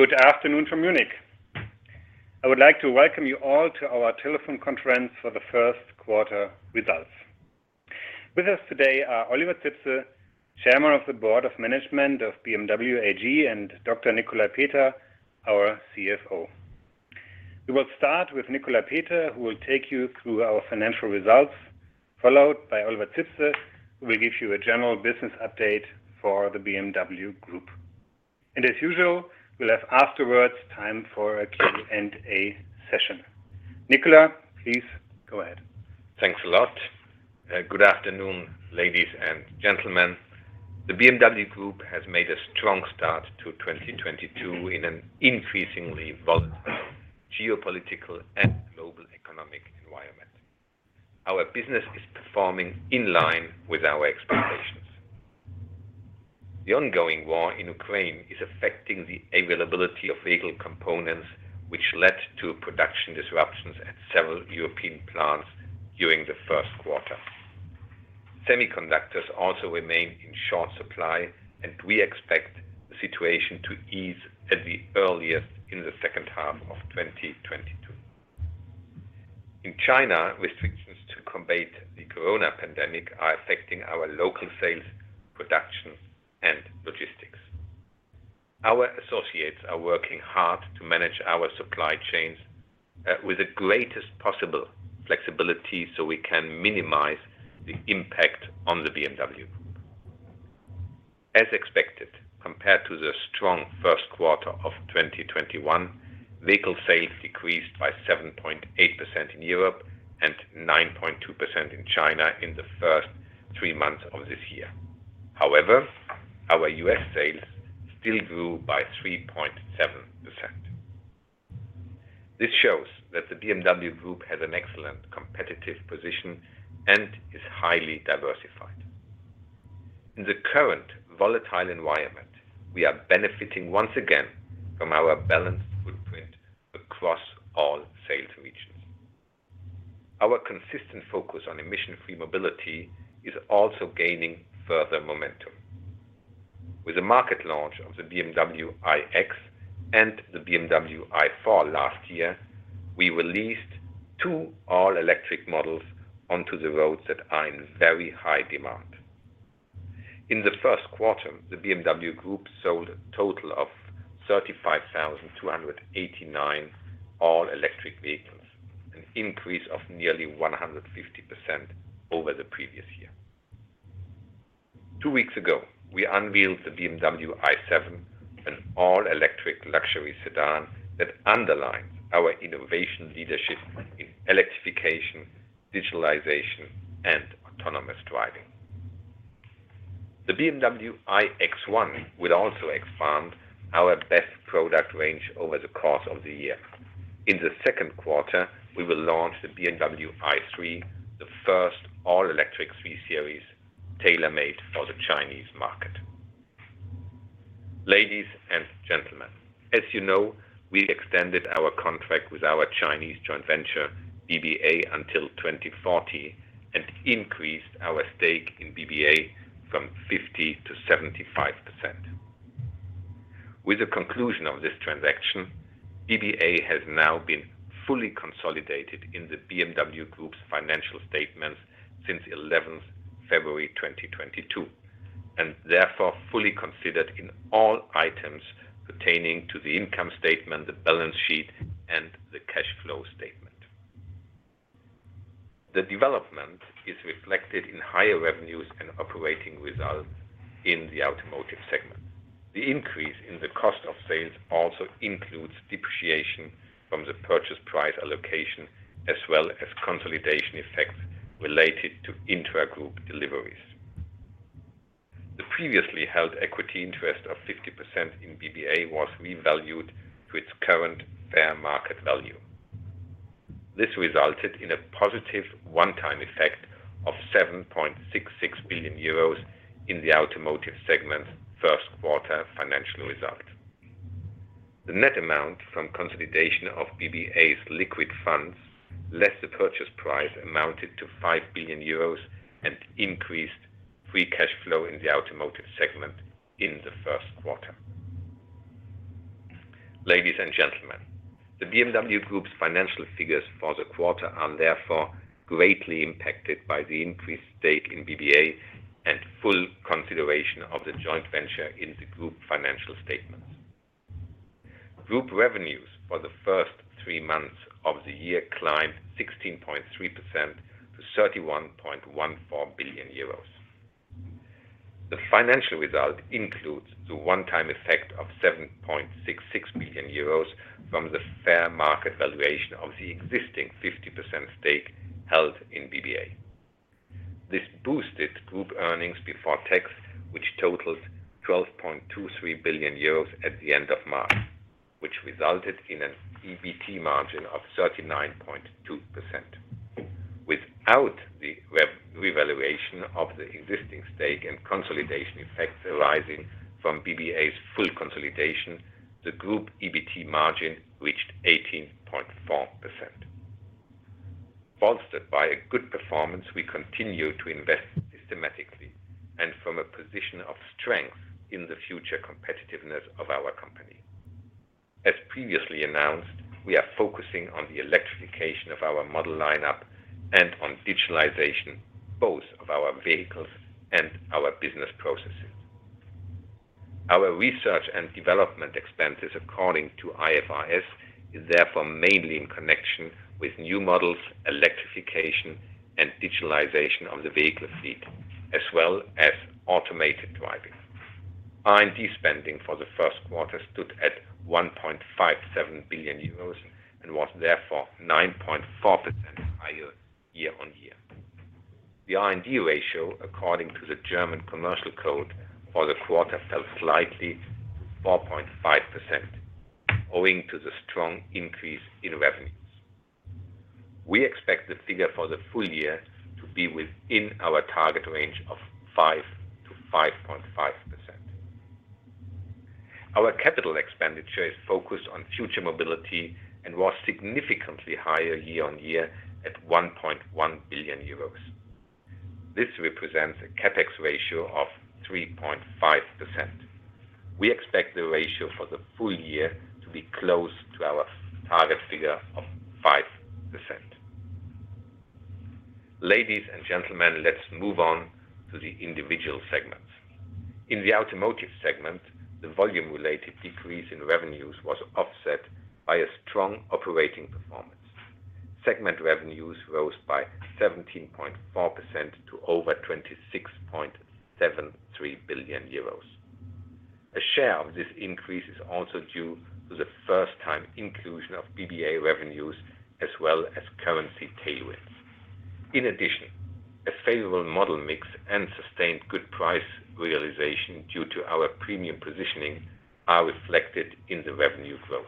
Good afternoon from Munich. I would like to welcome you all to our telephone conference for the first quarter results. With us today are Oliver Zipse, Chairman of the Board of Management of BMW AG, and Dr. Nicolas Peter, our CFO. We will start with Nicolas Peter, who will take you through our financial results, followed by Oliver Zipse, who will give you a general business update for the BMW Group. As usual, we'll have afterwards time for a Q&A session. Nicolas, please go ahead. Thanks a lot. Good afternoon, ladies and gentlemen. The BMW Group has made a strong start to 2022 in an increasingly volatile geopolitical and global economic environment. Our business is performing in line with our expectations. The ongoing war in Ukraine is affecting the availability of vehicle components, which led to production disruptions at several European plants during the first quarter. Semiconductors also remain in short supply, and we expect the situation to ease at the earliest in the second half of 2022. In China, restrictions to combat the Corona pandemic are affecting our local sales, production, and logistics. Our associates are working hard to manage our supply chains with the greatest possible flexibility, so we can minimize the impact on the BMW. As expected, compared to the strong first quarter of 2021, vehicle sales decreased by 7.8% in Europe and 9.2% in China in the first three months of this year. However, our U.S. sales still grew by 3.7%. This shows that the BMW Group has an excellent competitive position and is highly diversified. In the current volatile environment, we are benefiting once again from our balanced footprint across all sales regions. Our consistent focus on emission-free mobility is also gaining further momentum. With the market launch of the BMW iX and the BMW i4 last year, we released two all-electric models onto the roads that are in very high demand. In the first quarter, the BMW Group sold a total of 35,289 all-electric vehicles, an increase of nearly 150% over the previous year. Two weeks ago, we unveiled the BMW i7, an all-electric luxury sedan that underlines our innovation leadership in electrification, digitalization, and autonomous driving. The BMW iX1 will also expand our best product range over the course of the year. In the second quarter, we will launch the BMW i3, the first all-electric 3 Series tailor-made for the Chinese market. Ladies and gentlemen, as you know, we extended our contract with our Chinese joint venture, BBA, until 2040 and increased our stake in BBA from 50%-75%. With the conclusion of this transaction, BBA has now been fully consolidated in the BMW Group's financial statements since 11th February 2022, and therefore fully considered in all items pertaining to the income statement, the balance sheet, and the cash flow statement. The development is reflected in higher revenues and operating results in the automotive segment. The increase in the cost of sales also includes depreciation from the purchase price allocation, as well as consolidation effects related to intragroup deliveries. The previously held equity interest of 50% in BBA was revalued to its current fair market value. This resulted in a positive one-time effect of 7.66 billion euros in the automotive segment's first quarter financial result. The net amount from consolidation of BBA's liquid funds, less the purchase price amounted to 5 billion euros and increased free cash flow in the automotive segment in the first quarter. Ladies and gentlemen, the BMW Group's financial figures for the quarter are therefore greatly impacted by the increased stake in BBA and full consideration of the joint venture in the group financial statements. Group revenues for the first three months of the year climbed 16.3% to 31.14 billion euros. The financial result includes the one-time effect of 7.66 billion euros from the fair market valuation of the existing 50% stake held in BBA. This boosted group earnings before tax, which totals 12.23 billion euros at the end of March, which resulted in an EBT margin of 39.2%. Without the revaluation of the existing stake and consolidation effects arising from BBA's full consolidation, the group EBT margin reached 18.4%. Bolstered by a good performance, we continue to invest systematically and from a position of strength in the future competitiveness of our company. As previously announced, we are focusing on the electrification of our model lineup and on digitalization, both of our vehicles and our business processes. Our research and development expenses according to IFRS is therefore mainly in connection with new models, electrification, and digitalization of the vehicle fleet, as well as automated driving. R&D spending for the first quarter stood at 1.57 billion euros and was therefore 9.4% higher year on year. The R&D ratio according to the German Commercial Code for the quarter fell slightly to 4.5%, owing to the strong increase in revenues. We expect the figure for the full year to be within our target range of 5%-5.5%. Our capital expenditure is focused on future mobility and was significantly higher year on year at 1.1 billion euros. This represents a CapEx ratio of 3.5%. We expect the ratio for the full year to be close to our target figure of 5%. Ladies and gentlemen, let's move on to the individual segments. In the Automotive segment, the volume-related decrease in revenues was offset by a strong operating performance. Segment revenues rose by 17.4% to over 26.73 billion euros. A share of this increase is also due to the first-time inclusion of BBA revenues as well as currency tailwinds. In addition, a favorable model mix and sustained good price realization due to our premium positioning are reflected in the revenue growth.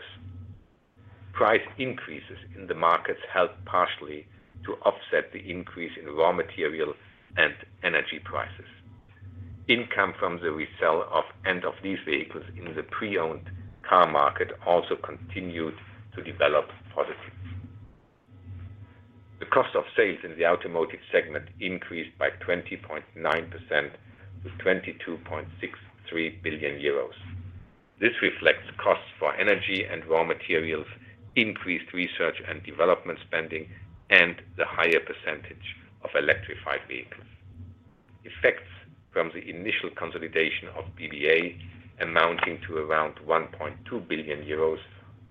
Price increases in the markets helped partially to offset the increase in raw material and energy prices. Income from the resell of end-of-lease vehicles in the pre-owned car market also continued to develop positively. The cost of sales in the Automotive segment increased by 20.9% to 22.63 billion euros. This reflects costs for energy and raw materials, increased research and development spending, and the higher percentage of electrified vehicles. Effects from the initial consolidation of BBA amounting to around 1.2 billion euros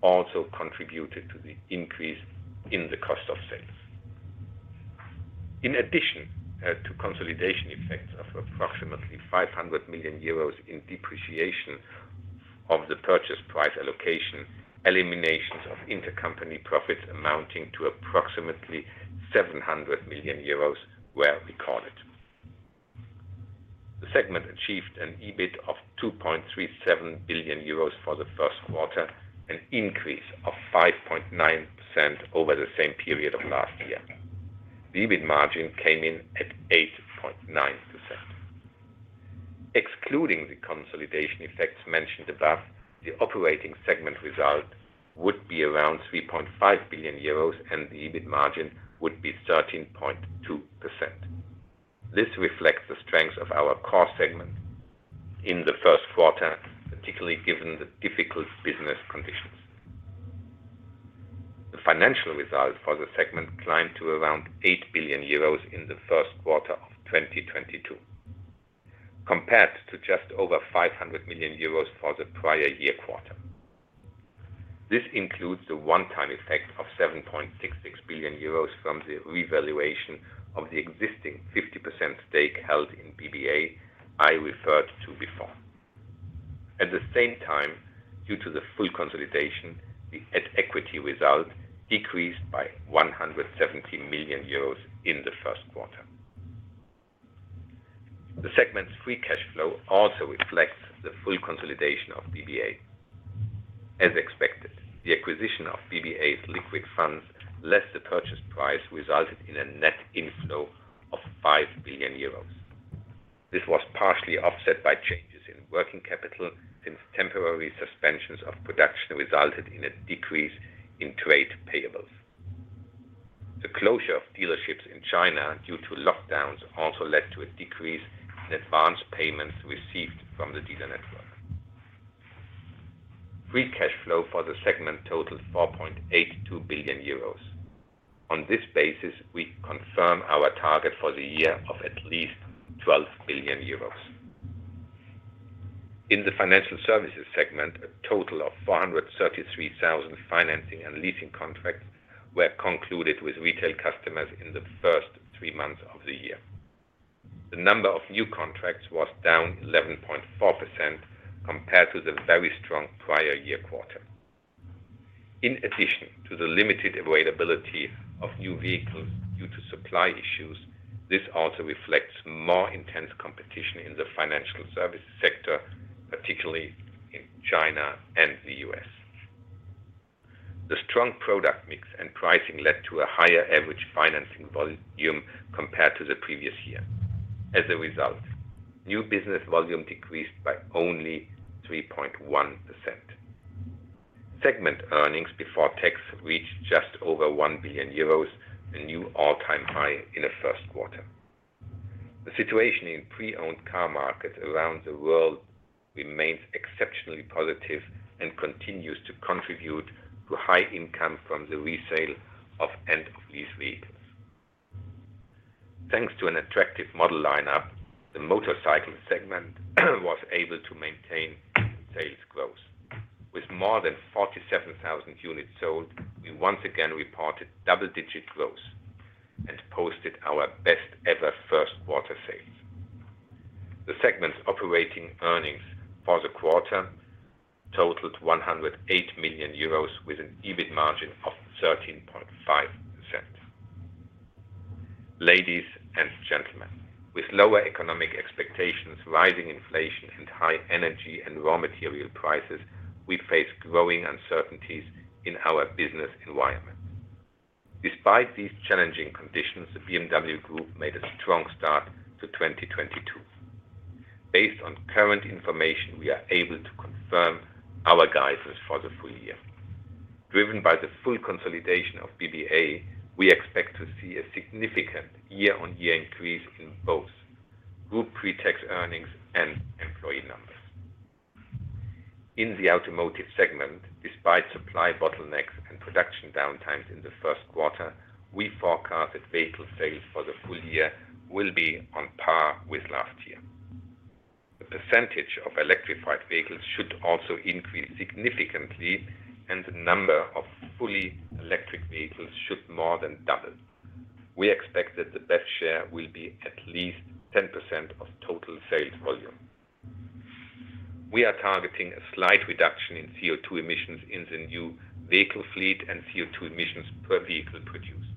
also contributed to the increase in the cost of sales. In addition to consolidation effects of approximately 500 million euros in depreciation of the purchase price allocation, eliminations of intercompany profits amounting to approximately 700 million euros were recorded. The segment achieved an EBIT of 2.37 billion euros for the first quarter, an increase of 5.9% over the same period of last year. The EBIT margin came in at 8.9%. Excluding the consolidation effects mentioned above, the operating segment result would be around 3.5 billion euros and the EBIT margin would be 13.2%. This reflects the strength of our core segment in the first quarter, particularly given the difficult business conditions. The financial result for the segment climbed to around 8 billion euros in the first quarter of 2022, compared to just over 500 million euros for the prior year quarter. This includes the one-time effect of 7.66 billion euros from the revaluation of the existing 50% stake held in BBA I referred to before. At the same time, due to the full consolidation, the at-equity result decreased by 170 million euros in the first quarter. The segment's free cash flow also reflects the full consolidation of BBA. As expected, the acquisition of BBA's liquid funds less the purchase price resulted in a net inflow of 5 billion euros. This was partially offset by changes in working capital since temporary suspensions of production resulted in a decrease in trade payables. The closure of dealerships in China due to lockdowns also led to a decrease in advance payments received from the dealer network. Free cash flow for the segment totaled 4.82 billion euros. On this basis, we confirm our target for the year of at least 12 billion euros. In the Financial Services segment, a total of 433,000 financing and leasing contracts were concluded with retail customers in the first three months of the year. The number of new contracts was down 11.4% compared to the very strong prior year quarter. In addition to the limited availability of new vehicles due to supply issues, this also reflects more intense competition in the financial services sector, particularly in China and the U.S. The strong product mix and pricing led to a higher average financing volume compared to the previous year. As a result, new business volume decreased by only 3.1%. Segment earnings before tax reached just over 1 billion euros, a new all-time high in the first quarter. The situation in pre-owned car markets around the world remains exceptionally positive and continues to contribute to high income from the resale of end-of-lease vehicles. Thanks to an attractive model lineup, the motorcycle segment was able to maintain sales growth. With more than 47,000 units sold, we once again reported double-digit growth and posted our best ever first quarter sales. The segment's operating earnings for the quarter totaled 108 million euros with an EBIT margin of 13.5%. Ladies and gentlemen, with lower economic expectations, rising inflation, and high energy and raw material prices, we face growing uncertainties in our business environment. Despite these challenging conditions, the BMW Group made a strong start to 2022. Based on current information, we are able to confirm our guidance for the full year. Driven by the full consolidation of BBA, we expect to see a significant year-on-year increase in both group pretax earnings and employee numbers. In the automotive segment, despite supply bottlenecks and production downtimes in the first quarter, we forecasted vehicle sales for the full year will be on par with last year. The percentage of electrified vehicles should also increase significantly, and the number of fully electric vehicles should more than double. We expect that the BEV share will be at least 10% of total sales volume. We are targeting a slight reduction in CO2 emissions in the new vehicle fleet and CO2 emissions per vehicle produced.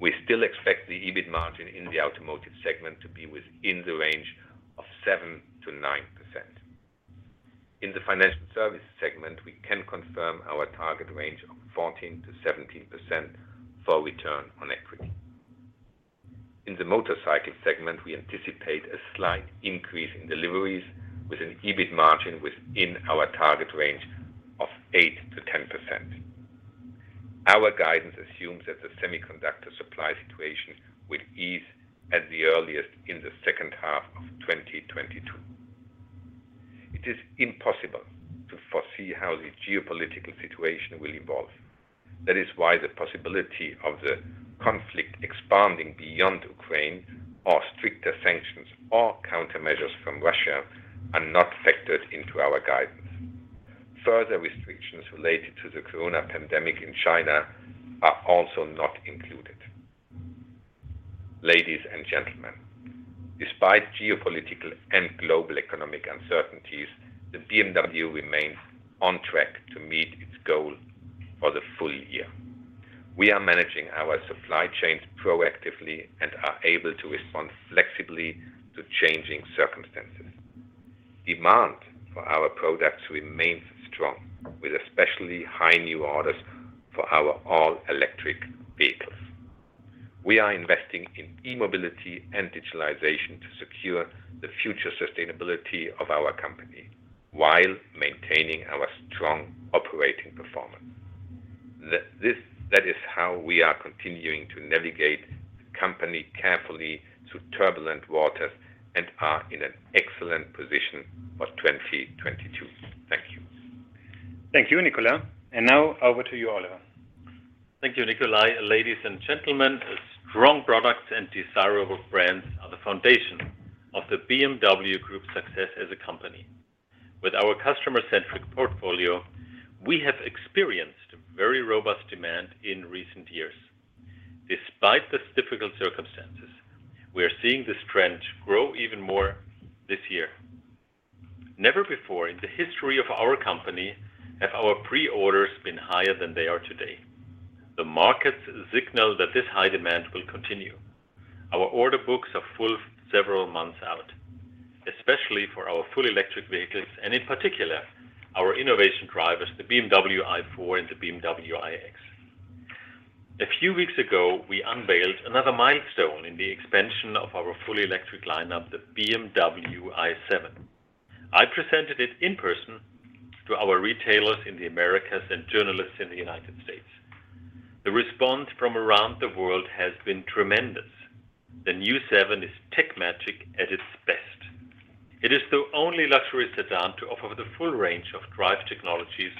We still expect the EBIT margin in the automotive segment to be within the range of 7%-9%. In the financial services segment, we can confirm our target range of 14%-17% for return on equity. In the motorcycle segment, we anticipate a slight increase in deliveries with an EBIT margin within our target range of 8%-10%. Our guidance assumes that the semiconductor supply situation will ease at the earliest in the second half of 2022. It is impossible to foresee how the geopolitical situation will evolve. That is why the possibility of the conflict expanding beyond Ukraine or stricter sanctions or countermeasures from Russia are not factored into our guidance. Further restrictions related to the corona pandemic in China are also not included. Ladies and gentlemen, despite geopolitical and global economic uncertainties, the BMW Group remains on track to meet its goal for the full year. We are managing our supply chains proactively and are able to respond flexibly to changing circumstances. Demand for our products remains strong, with especially high new orders for our all-electric vehicles. We are investing in e-mobility and digitalization to secure the future sustainability of our company while maintaining our strong operating performance. That is how we are continuing to navigate the company carefully through turbulent waters and are in an excellent position for 2022. Thank you. Thank you, Nicolas. Now over to you, Oliver. Thank you, Nicolas. Ladies and gentlemen, strong products and desirable brands are the foundation of the BMW Group's success as a company. With our customer-centric portfolio, we have experienced a very robust demand in recent years. Despite the difficult circumstances, we are seeing this trend grow even more this year. Never before in the history of our company have our pre-orders been higher than they are today. The markets signal that this high demand will continue. Our order books are full several months out, especially for our fully electric vehicles, and in particular, our innovation drivers, the BMW i4 and the BMW iX. A few weeks ago, we unveiled another milestone in the expansion of our fully electric lineup, the BMW i7. I presented it in person to our retailers in the Americas and journalists in the United States. The response from around the world has been tremendous. The new seven is tech magic at its best. It is the only luxury sedan to offer the full range of drive technologies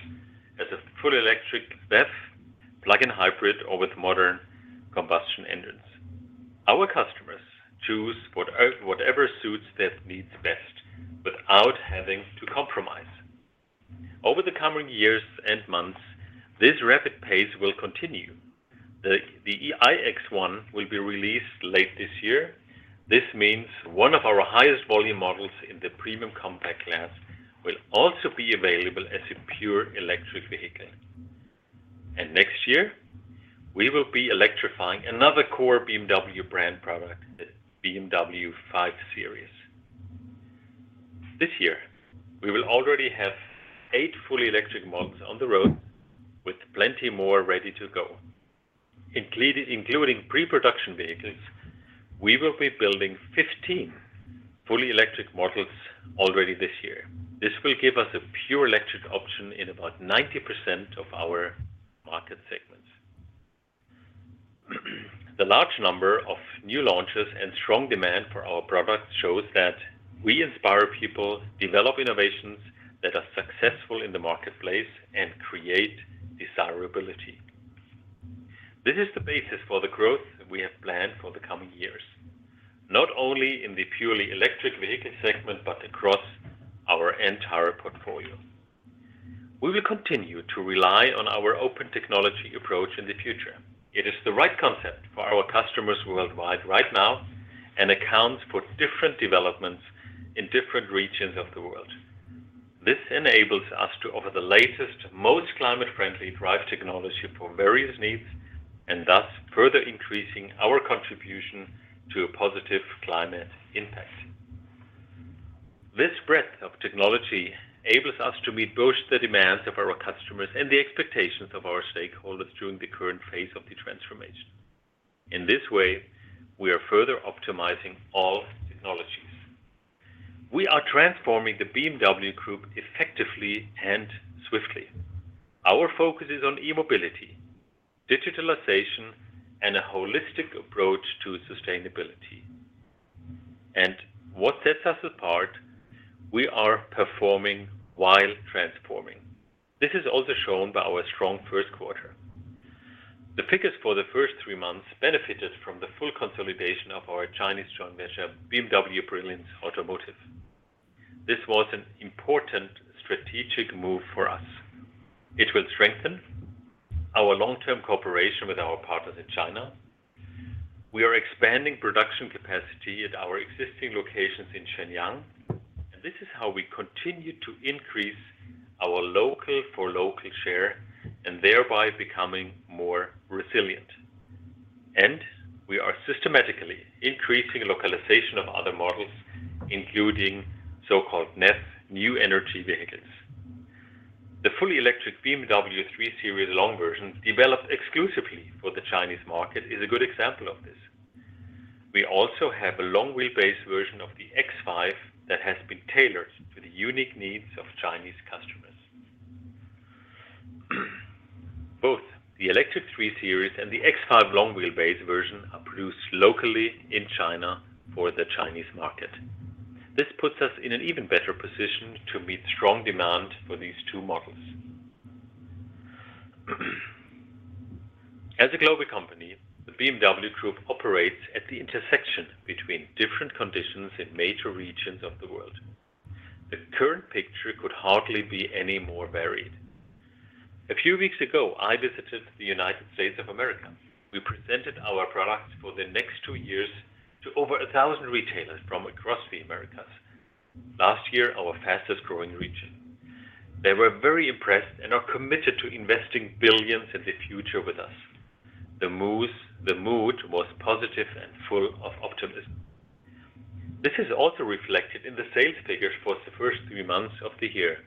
as a full electric BEV, plug-in hybrid or with modern combustion engines. Our customers choose whatever suits their needs best without having to compromise. Over the coming years and months, this rapid pace will continue. The iX1 will be released late this year. This means one of our highest volume models in the premium compact class will also be available as a pure electric vehicle. Next year, we will be electrifying another core BMW brand product, the BMW 5 Series. This year, we will already have eight fully electric models on the road. Plenty more ready to go. Including pre-production vehicles, we will be building 15 fully electric models already this year. This will give us a pure electric option in about 90% of our market segments. The large number of new launches and strong demand for our products shows that we inspire people, develop innovations that are successful in the marketplace, and create desirability. This is the basis for the growth we have planned for the coming years, not only in the purely electric vehicle segment, but across our entire portfolio. We will continue to rely on our open technology approach in the future. It is the right concept for our customers worldwide right now and accounts for different developments in different regions of the world. This enables us to offer the latest, most climate friendly drive technology for various needs and thus further increasing our contribution to a positive climate impact. This breadth of technology enables us to meet both the demands of our customers and the expectations of our stakeholders during the current phase of the transformation. In this way, we are further optimizing all technologies. We are transforming the BMW Group effectively and swiftly. Our focus is on e-mobility, digitalization and a holistic approach to sustainability. What sets us apart, we are performing while transforming. This is also shown by our strong first quarter. The figures for the first three months benefited from the full consolidation of our Chinese joint venture, BMW Brilliance Automotive. This was an important strategic move for us. It will strengthen our long-term cooperation with our partners in China. We are expanding production capacity at our existing locations in Shenyang, and this is how we continue to increase our local for local share and thereby becoming more resilient. We are systematically increasing localization of other models, including so-called NEVs, New Energy Vehicles. The fully electric BMW 3 Series long versions developed exclusively for the Chinese market is a good example of this. We also have a long wheelbase version of the X5 that has been tailored to the unique needs of Chinese customers. Both the electric 3 Series and the X5 long wheelbase version are produced locally in China for the Chinese market. This puts us in an even better position to meet strong demand for these two models. As a global company, the BMW Group operates at the intersection between different conditions in major regions of the world. The current picture could hardly be any more varied. A few weeks ago, I visited the United States of America. We presented our products for the next two years to over 1,000 retailers from across the Americas. Last year, our fastest growing region. They were very impressed and are committed to investing billions in the future with us. The mood was positive and full of optimism. This is also reflected in the sales figures for the first three months of the year.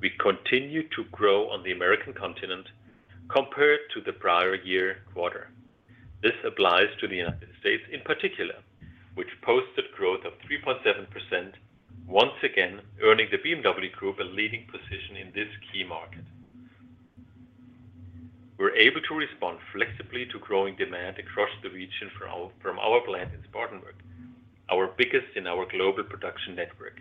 We continue to grow on the American continent compared to the prior year quarter. This applies to the United States in particular, which posted growth of 3.7%, once again earning the BMW Group a leading position in this key market. We're able to respond flexibly to growing demand across the region from our plant in Spartanburg, our biggest in our global production network.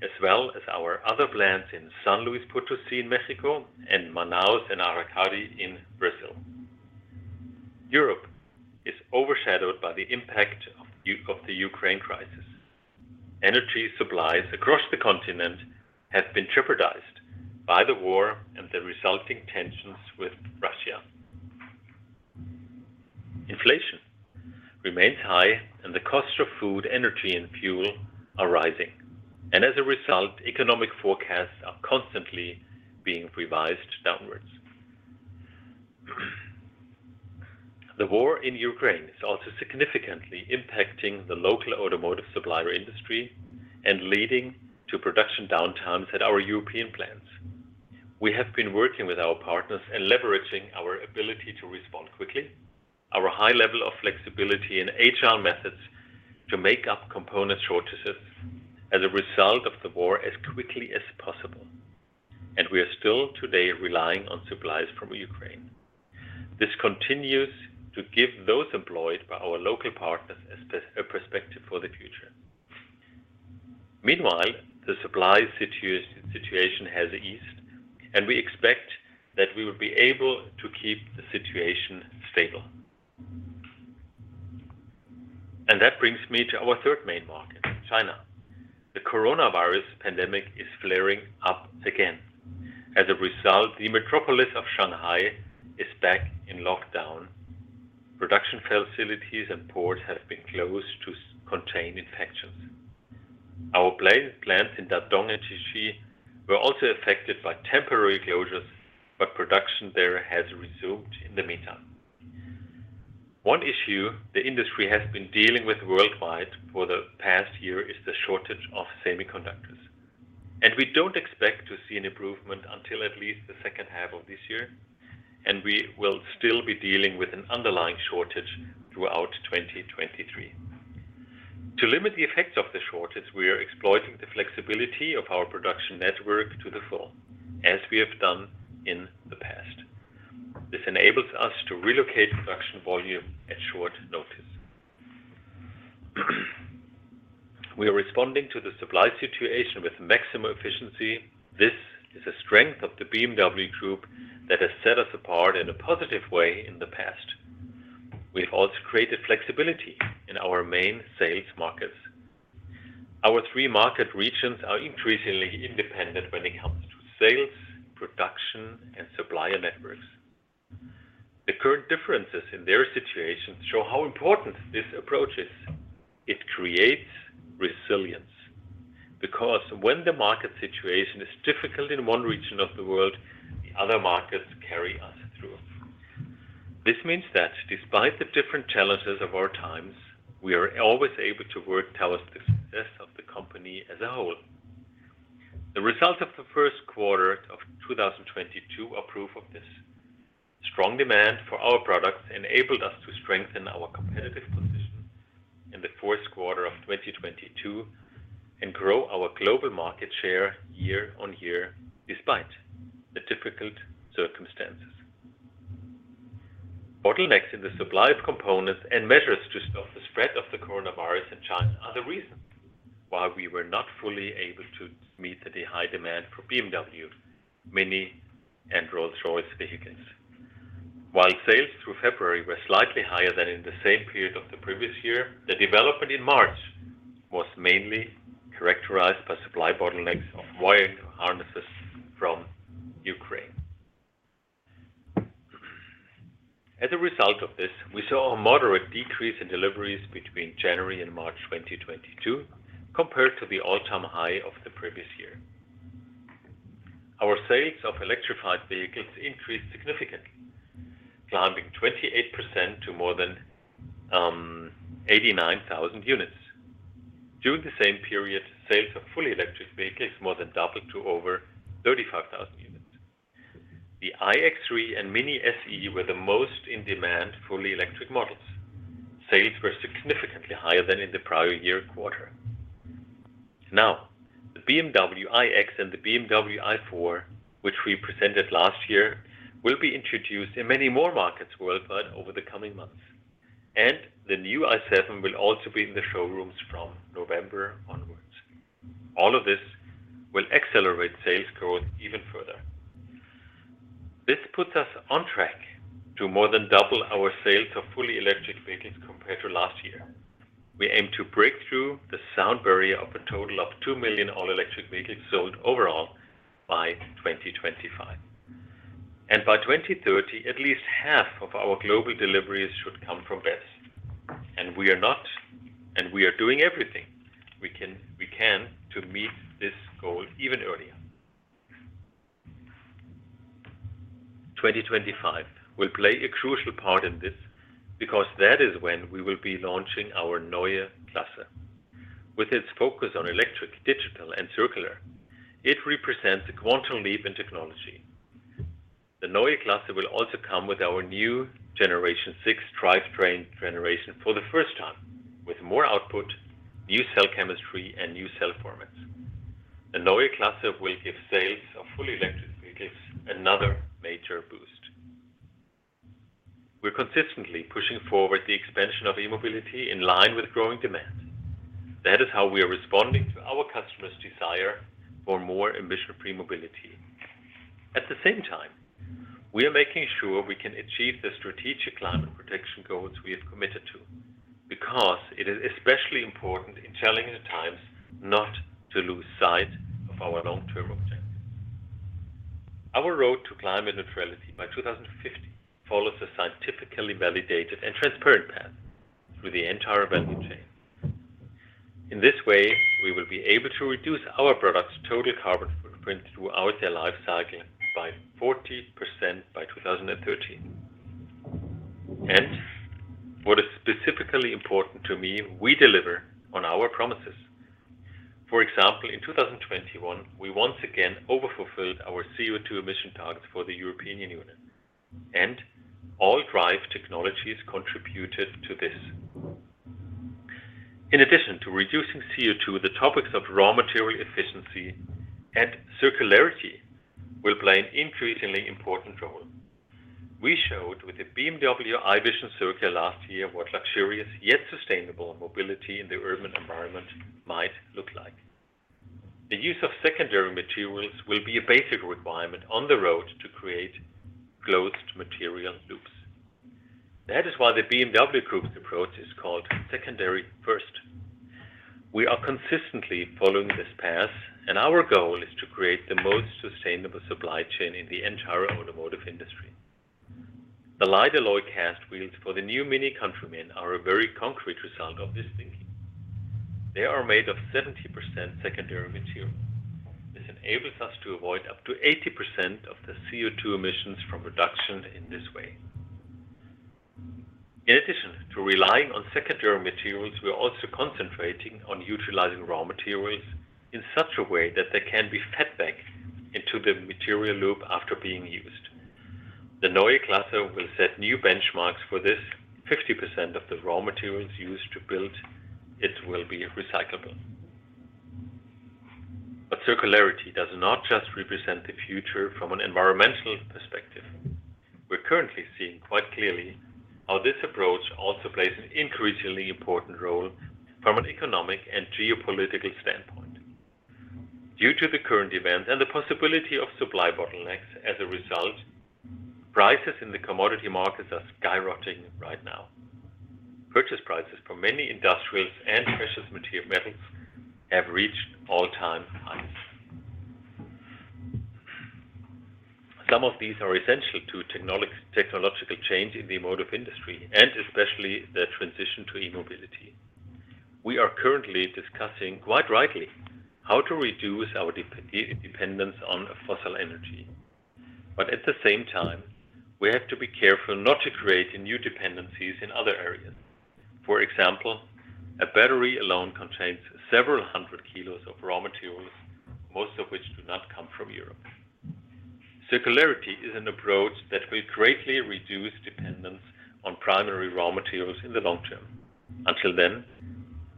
As well as our other plants in San Luis Potosí in Mexico and Manaus and Araquari in Brazil. Europe is overshadowed by the impact of the Ukraine crisis. Energy supplies across the continent have been jeopardized by the war and the resulting tensions with Russia. Inflation remains high and the cost of food, energy and fuel are rising. As a result, economic forecasts are constantly being revised downwards. The war in Ukraine is also significantly impacting the local automotive supplier industry and leading to production downtimes at our European plants. We have been working with our partners and leveraging our ability to respond quickly, our high level of flexibility and HR methods to make up component shortages as a result of the war as quickly as possible. We are still today relying on supplies from Ukraine. This continues to give those employed by our local partners a perspective for the future. Meanwhile, the supply situation has eased and we expect that we will be able to keep the situation stable. That brings me to our third main market, China. The coronavirus pandemic is flaring up again. As a result, the metropolis of Shanghai is back in lockdown. Production facilities and ports have been closed to contain infections. Our plants in Dadong and Tiexi were also affected by temporary closures, but production there has resumed in the meantime. One issue the industry has been dealing with worldwide for the past year is the shortage of semiconductors. We don't expect to see an improvement until at least the second half of this year, and we will still be dealing with an underlying shortage throughout 2023. To limit the effects of the shortage, we are exploiting the flexibility of our production network to the full, as we have done in the past. This enables us to relocate production volume at short notice. We are responding to the supply situation with maximum efficiency. This is a strength of the BMW Group that has set us apart in a positive way in the past. We've also created flexibility in our main sales markets. Our three market regions are increasingly independent when it comes to sales, production, and supplier networks. The current differences in their situations show how important this approach is. It creates resilience because when the market situation is difficult in one region of the world, the other markets carry us through. This means that despite the different challenges of our times, we are always able to work towards the success of the company as a whole. The result of the first quarter of 2022 are proof of this. Strong demand for our products enabled us to strengthen our competitive position in the fourth quarter of 2022 and grow our global market share year-on-year despite the difficult circumstances. Bottlenecks in the supply of components and measures to stop the spread of the coronavirus in China are the reasons why we were not fully able to meet the high demand for BMW, MINI, and Rolls-Royce vehicles. While sales through February were slightly higher than in the same period of the previous year, the development in March was mainly characterized by supply bottlenecks of wiring harnesses from Ukraine. As a result of this, we saw a moderate decrease in deliveries between January and March 2022 compared to the all-time high of the previous year. Our sales of electrified vehicles increased significantly, climbing 28% to more than 89,000 units. During the same period, sales of fully electric vehicles more than doubled to over 35,000 units. The iX3 and MINI SE were the most in demand fully electric models. Sales were significantly higher than in the prior year quarter. Now, the BMW iX and the BMW i4, which we presented last year, will be introduced in many more markets worldwide over the coming months, and the new i7 will also be in the showrooms from November onwards. All of this will accelerate sales growth even further. This puts us on track to more than double our sales of fully electric vehicles compared to last year. We aim to break through the sound barrier of a total of 2 million all-electric vehicles sold overall by 2025. By 2030, at least half of our global deliveries should come from BEVs. We are doing everything we can to meet this goal even earlier. 2025 will play a crucial part in this because that is when we will be launching our Neue Klasse. With its focus on electric, digital, and circular, it represents a quantum leap in technology. The Neue Klasse will also come with our new Gen6 drivetrain generation for the first time, with more output, new cell chemistry, and new cell formats. The Neue Klasse will give sales of fully electric vehicles another major boost. We're consistently pushing forward the expansion of e-mobility in line with growing demand. That is how we are responding to our customers' desire for more emission-free mobility. At the same time, we are making sure we can achieve the strategic climate protection goals we have committed to, because it is especially important in challenging times not to lose sight of our long-term objectives. Our road to climate neutrality by 2050 follows a scientifically validated and transparent path through the entire value chain. In this way, we will be able to reduce our products' total carbon footprint throughout their life cycle by 40% by 2030. What is specifically important to me, we deliver on our promises. For example, in 2021, we once again overfulfilled our CO2 emission targets for the European Union. All drive technologies contributed to this. In addition to reducing CO2, the topics of raw material efficiency and circularity will play an increasingly important role. We showed with the BMW i Vision Circular last year what luxurious yet sustainable mobility in the urban environment might look like. The use of secondary materials will be a basic requirement on the road to create closed material loops. That is why the BMW Group's approach is called Secondary First. We are consistently following this path, and our goal is to create the most sustainable supply chain in the entire automotive industry. The light alloy cast wheels for the new MINI Countryman are a very concrete result of this thinking. They are made of 70% secondary material. This enables us to avoid up to 80% of the CO2 emissions from reduction in this way. In addition to relying on secondary materials, we are also concentrating on utilizing raw materials in such a way that they can be fed back into the material loop after being used. The Neue Klasse will set new benchmarks for this. 50% of the raw materials used to build it will be recyclable. Circularity does not just represent the future from an environmental perspective. We're currently seeing quite clearly how this approach also plays an increasingly important role from an economic and geopolitical standpoint. Due to the current events and the possibility of supply bottlenecks as a result, prices in the commodity markets are skyrocketing right now. Purchase prices for many industrials and precious material metals have reached all-time highs. Some of these are essential to technological change in the automotive industry, and especially the transition to e-mobility. We are currently discussing, quite rightly, how to reduce our dependence on fossil energy. At the same time, we have to be careful not to create new dependencies in other areas. For example, a battery alone contains several hundred kilos of raw materials, most of which do not come from Europe. Circularity is an approach that will greatly reduce dependence on primary raw materials in the long term. Until then,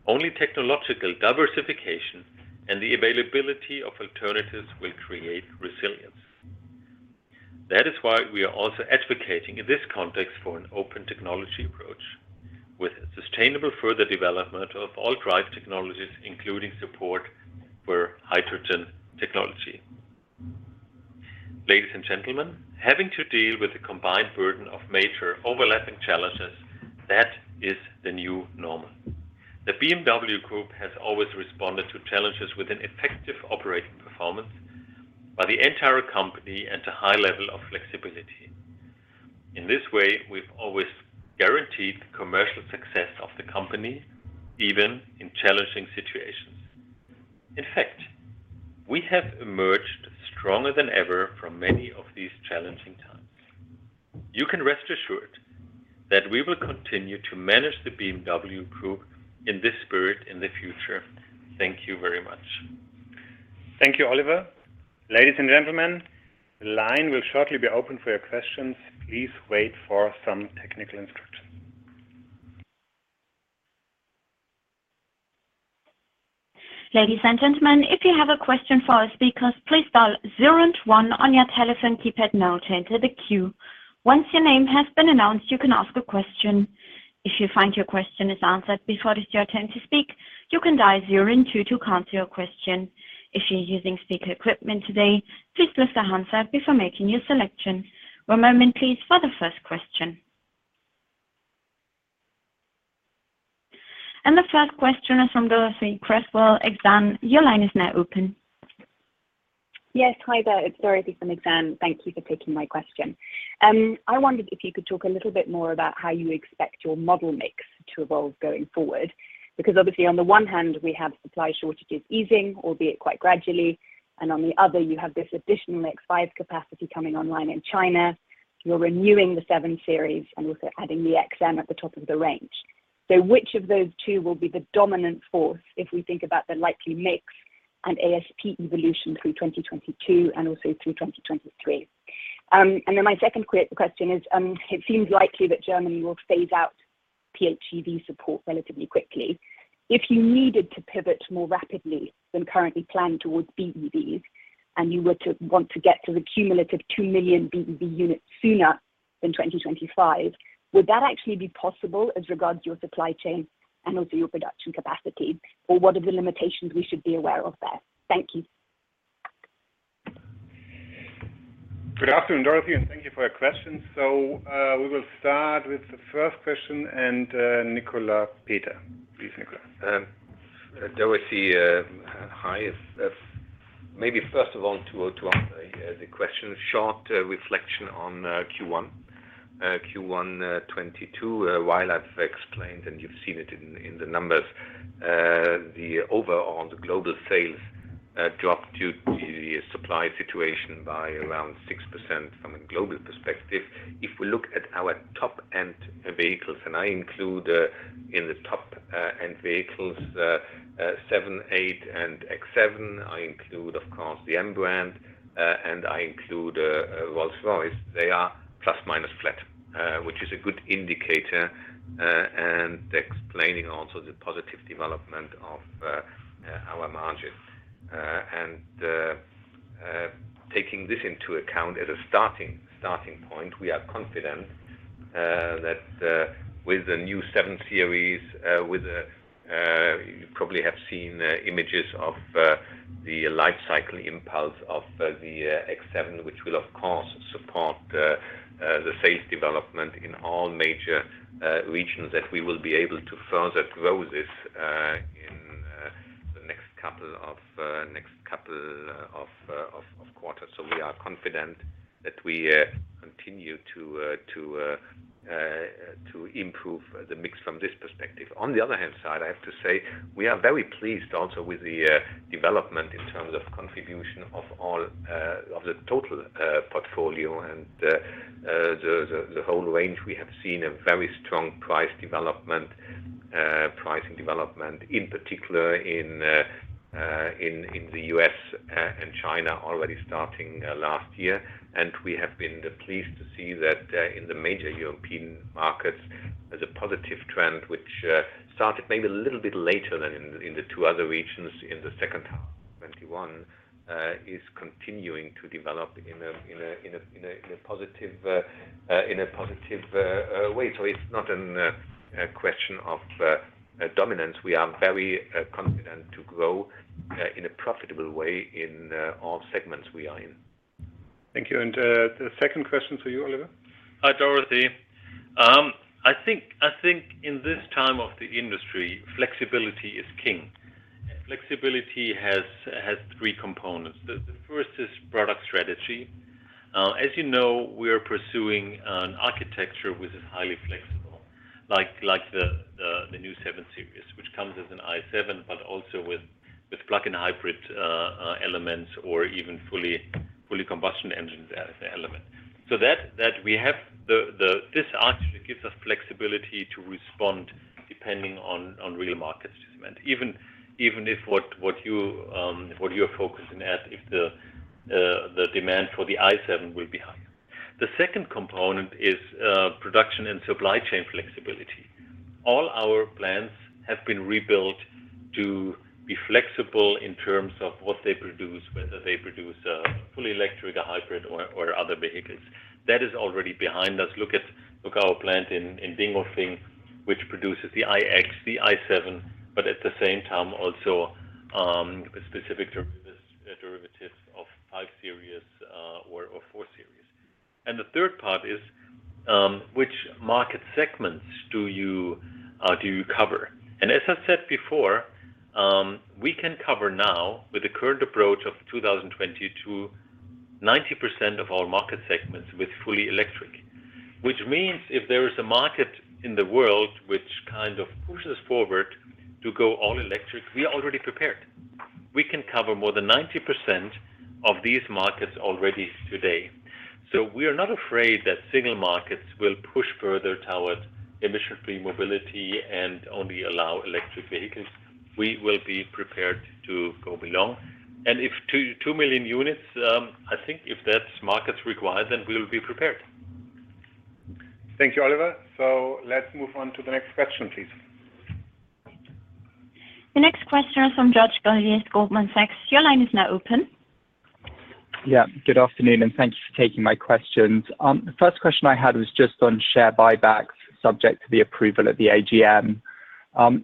only technological diversification and the availability of alternatives will create resilience. That is why we are also advocating in this context for an open technology approach with sustainable further development of all drive technologies, including support for hydrogen technology. Ladies and gentlemen, having to deal with the combined burden of major overlapping challenges, that is the new normal. The BMW Group has always responded to challenges with an effective operating performance by the entire company at a high level of flexibility. In this way, we've always guaranteed the commercial success of the company, even in challenging situations. In fact, we have emerged stronger than ever from many of these challenging times. You can rest assured that we will continue to manage the BMW Group in this spirit in the future. Thank you very much. Thank you, Oliver. Ladies and gentlemen, the line will shortly be open for your questions. Please wait for some technical instructions. Ladies and gentlemen, if you have a question for our speakers, please dial zero and one on your telephone keypad now to enter the queue. Once your name has been announced, you can ask a question. If you find your question is answered before it is your turn to speak, you can dial zero and two to cancel your question. If you're using speaker equipment today, please lift the handset before making your selection. One moment, please, for the first question. The first question is from Dorothee Cresswell, Exane. Your line is now open. Yes. Hi there. It's Dorothee from Exane. Thank you for taking my question. I wondered if you could talk a little bit more about how you expect your model mix to evolve going forward, because obviously on the one hand, we have supply shortages easing, albeit quite gradually, and on the other, you have this additional X5 capacity coming online in China. You're renewing the 7 Series and also adding the XM at the top of the range. Which of those two will be the dominant force if we think about the likely mix and ASP evolution through 2022 and also through 2023? And then my second question is, it seems likely that Germany will phase out PHEV support relatively quickly. If you needed to pivot more rapidly than currently planned towards BEVs, and you were to want to get to the cumulative 2 million BEV units sooner than 2025, would that actually be possible as regards your supply chain and also your production capacity? Or what are the limitations we should be aware of there? Thank you. Good afternoon, Dorothee, and thank you for your question. We will start with the first question and, Nicolas Peter. Please, Nicolas. Dorothee, hi. Maybe first of all, to answer the question, short reflection on Q1. Q1 2022, while I've explained and you've seen it in the numbers, the overall global sales dropped due to the supply situation by around 6% from a global perspective. If we look at our top-end vehicles, and I include in the top-end vehicles 7, 8, and X7. I include, of course, the M brand, and I include Rolls-Royce. They are plus minus flat, which is a good indicator, and explaining also the positive development of our margin. Taking this into account as a starting point, we are confident that with the new 7 Series, you probably have seen images of the life cycle impulse of the X7, which will of course support the sales development in all major regions, that we will be able to further grow this in the next couple of quarters. We are confident that we continue to improve the mix from this perspective. On the other hand side, I have to say we are very pleased also with the development in terms of contribution of all of the total portfolio and the whole range. We have seen a very strong price development, pricing development, in particular in the U.S. and China already starting last year. We have been pleased to see that in the major European markets as a positive trend, which started maybe a little bit later than in the two other regions in the second half 2021, is continuing to develop in a positive way. It's not a question of dominance. We are very confident to grow in a profitable way in all segments we are in. The second question to you, Oliver. Hi, Dorothee. I think in this time of the industry, flexibility is king. Flexibility has three components. The first is product strategy. As you know, we are pursuing an architecture which is highly flexible, like the new 7 Series, which comes as an i7, but also with plug-in hybrid elements or even fully combustion engine as an element. This architecture gives us flexibility to respond depending on real market demand. Even if what you're focusing at, if the demand for the i7 will be high. The second component is production and supply chain flexibility. All our plants have been rebuilt to be flexible in terms of what they produce, whether they produce fully electric or hybrid or other vehicles. That is already behind us. Look at our plant in Dingolfing, which produces the iX, the i7, but at the same time also specific derivatives of 5 Series or 4 Series. The third part is, which market segments do you cover? As I said before, we can cover now with the current approach of 2020 to 90% of our market segments with fully electric. Which means if there is a market in the world which kind of pushes forward to go all electric, we are already prepared. We can cover more than 90% of these markets already today. We are not afraid that single markets will push further towards emission-free mobility and only allow electric vehicles. We will be prepared to go below. If 2 million units, I think if that's what markets require, then we'll be prepared. Thank you, Oliver. Let's move on to the next question, please. The next question is from George Galliers at Goldman Sachs. Your line is now open. Yeah. Good afternoon, and thank you for taking my questions. The first question I had was just on share buybacks, subject to the approval at the AGM.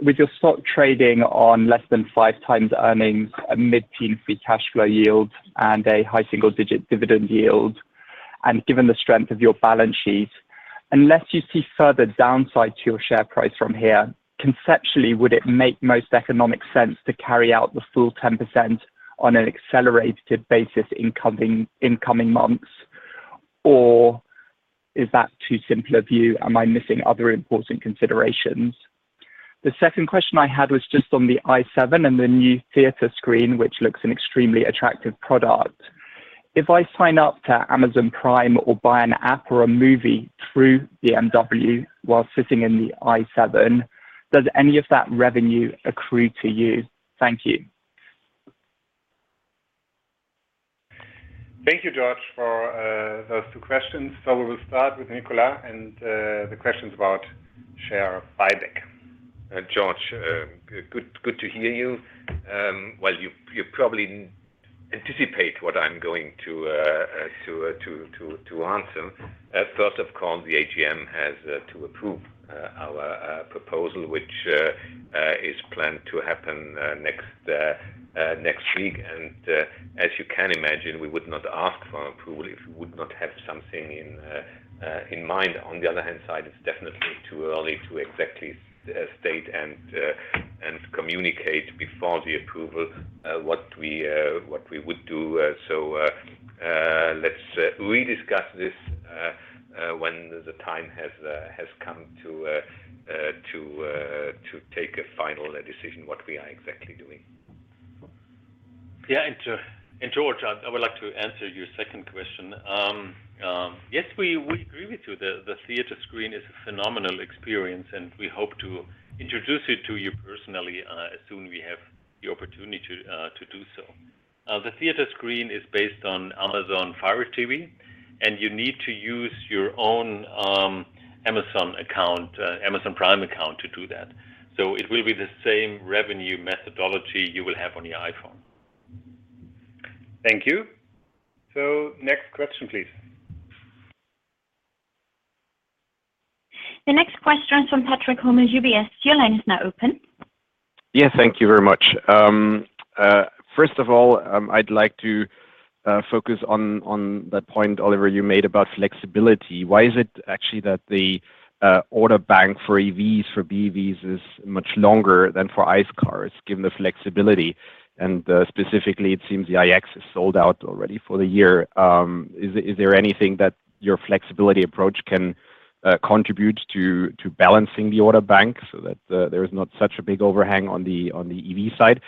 With your stock trading on less than 5x earnings, a mid-teen free cash flow yield, and a high single-digit dividend yield, and given the strength of your balance sheet, unless you see further downside to your share price from here, conceptually, would it make most economic sense to carry out the full 10% on an accelerated basis in coming months, or is that too simple a view? Am I missing other important considerations? The second question I had was just on the i7 and the new theater screen, which looks an extremely attractive product. If I sign up to Amazon Prime or buy an app or a movie through BMW while sitting in the i7, does any of that revenue accrue to you? Thank you. Thank you, George, for those two questions. We will start with Nicolas and the questions about share buyback. George, good to hear you. Well, you probably anticipate what I'm going to answer. First, of course, the AGM has to approve our proposal, which is planned to happen next week. As you can imagine, we would not ask for approval if we would not have something in mind. On the other hand side, it's definitely too early to exactly state and communicate before the approval what we would do. Let's rediscuss this when the time has come to take a final decision what we are exactly doing. Yeah. George, I would like to answer your second question. Yes, we agree with you. The theater screen is a phenomenal experience, and we hope to introduce it to you personally, as soon as we have the opportunity to do so. The theater screen is based on Amazon Fire TV, and you need to use your own Amazon account, Amazon Prime account to do that. It will be the same revenue methodology you will have on your iPhone. Thank you. Next question, please. The next question is from Patrick Hummel, UBS. Your line is now open. Yes, thank you very much. First of all, I'd like to focus on that point, Oliver, you made about flexibility. Why is it actually that the order bank for EVs, for BEVs is much longer than for ICE cars, given the flexibility and specifically it seems the iX is sold out already for the year? Is there anything that your flexibility approach can contribute to balancing the order bank so that there is not such a big overhang on the EV side?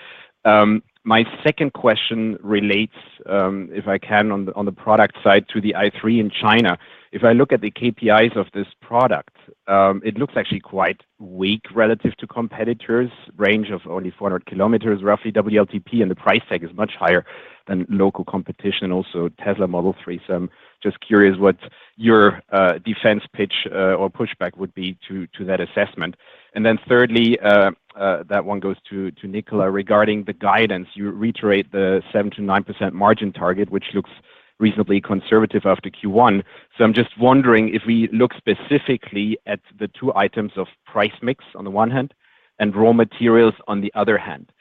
My second question relates, if I can, on the product side to the i3 in China. If I look at the KPIs of this product, it looks actually quite weak relative to competitors, range of only 400 km, roughly WLTP, and the price tag is much higher than local competition, and also Tesla Model 3. I'm just curious what your defense pitch or pushback would be to that assessment. Then thirdly, that one goes to Nicolas regarding the guidance. You reiterate the 7%-9% margin target, which looks reasonably conservative after Q1. I'm just wondering if we look specifically at the two items of price mix on the one hand and raw materials on the other hand.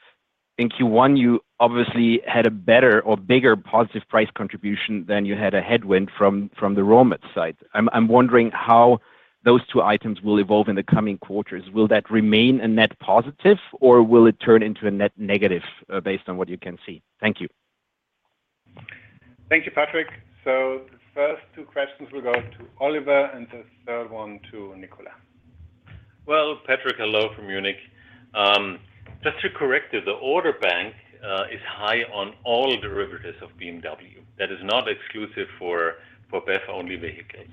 In Q1, you obviously had a better or bigger positive price contribution than you had a headwind from the raw materials side. I'm wondering how those two items will evolve in the coming quarters. Will that remain a net positive, or will it turn into a net negative, based on what you can see? Thank you. Thank you, Patrick. The first two questions will go to Oliver and the third one to Nicolas. Well, Patrick, hello from Munich. Just to correct you, the order bank is high on all derivatives of BMW. That is not exclusive for BEV-only vehicles.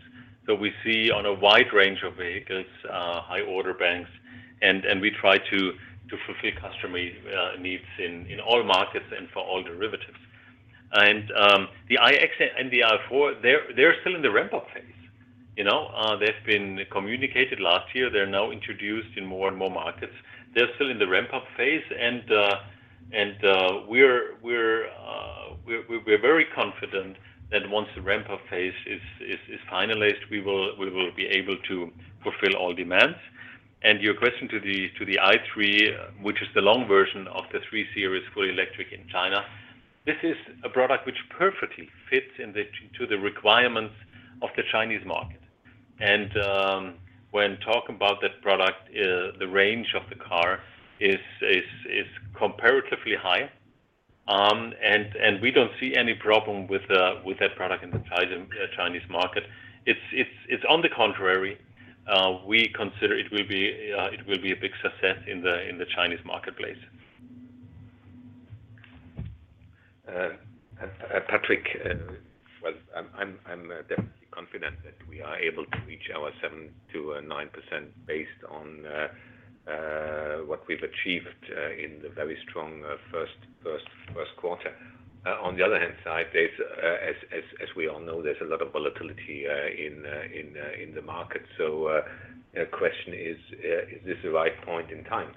We see on a wide range of vehicles high order banks, and we try to fulfill customer needs in all markets and for all derivatives. The iX and the i4, they're still in the ramp-up phase, you know. They've been communicated last year. They're now introduced in more and more markets. They're still in the ramp-up phase and we're very confident that once the ramp-up phase is finalized, we will be able to fulfill all demands. Your question to the i3, which is the long version of the 3 Series fully electric in China, this is a product which perfectly fits into the requirements of the Chinese market. When talking about that product, the range of the car is comparatively high, and we don't see any problem with that product in the Chinese market. It's on the contrary, we consider it will be a big success in the Chinese marketplace. Patrick, well, I'm definitely confident that we are able to reach our 7%-9% based on what we've achieved in the very strong first quarter. On the other hand, as we all know, there's a lot of volatility in the market. The question is this the right point in time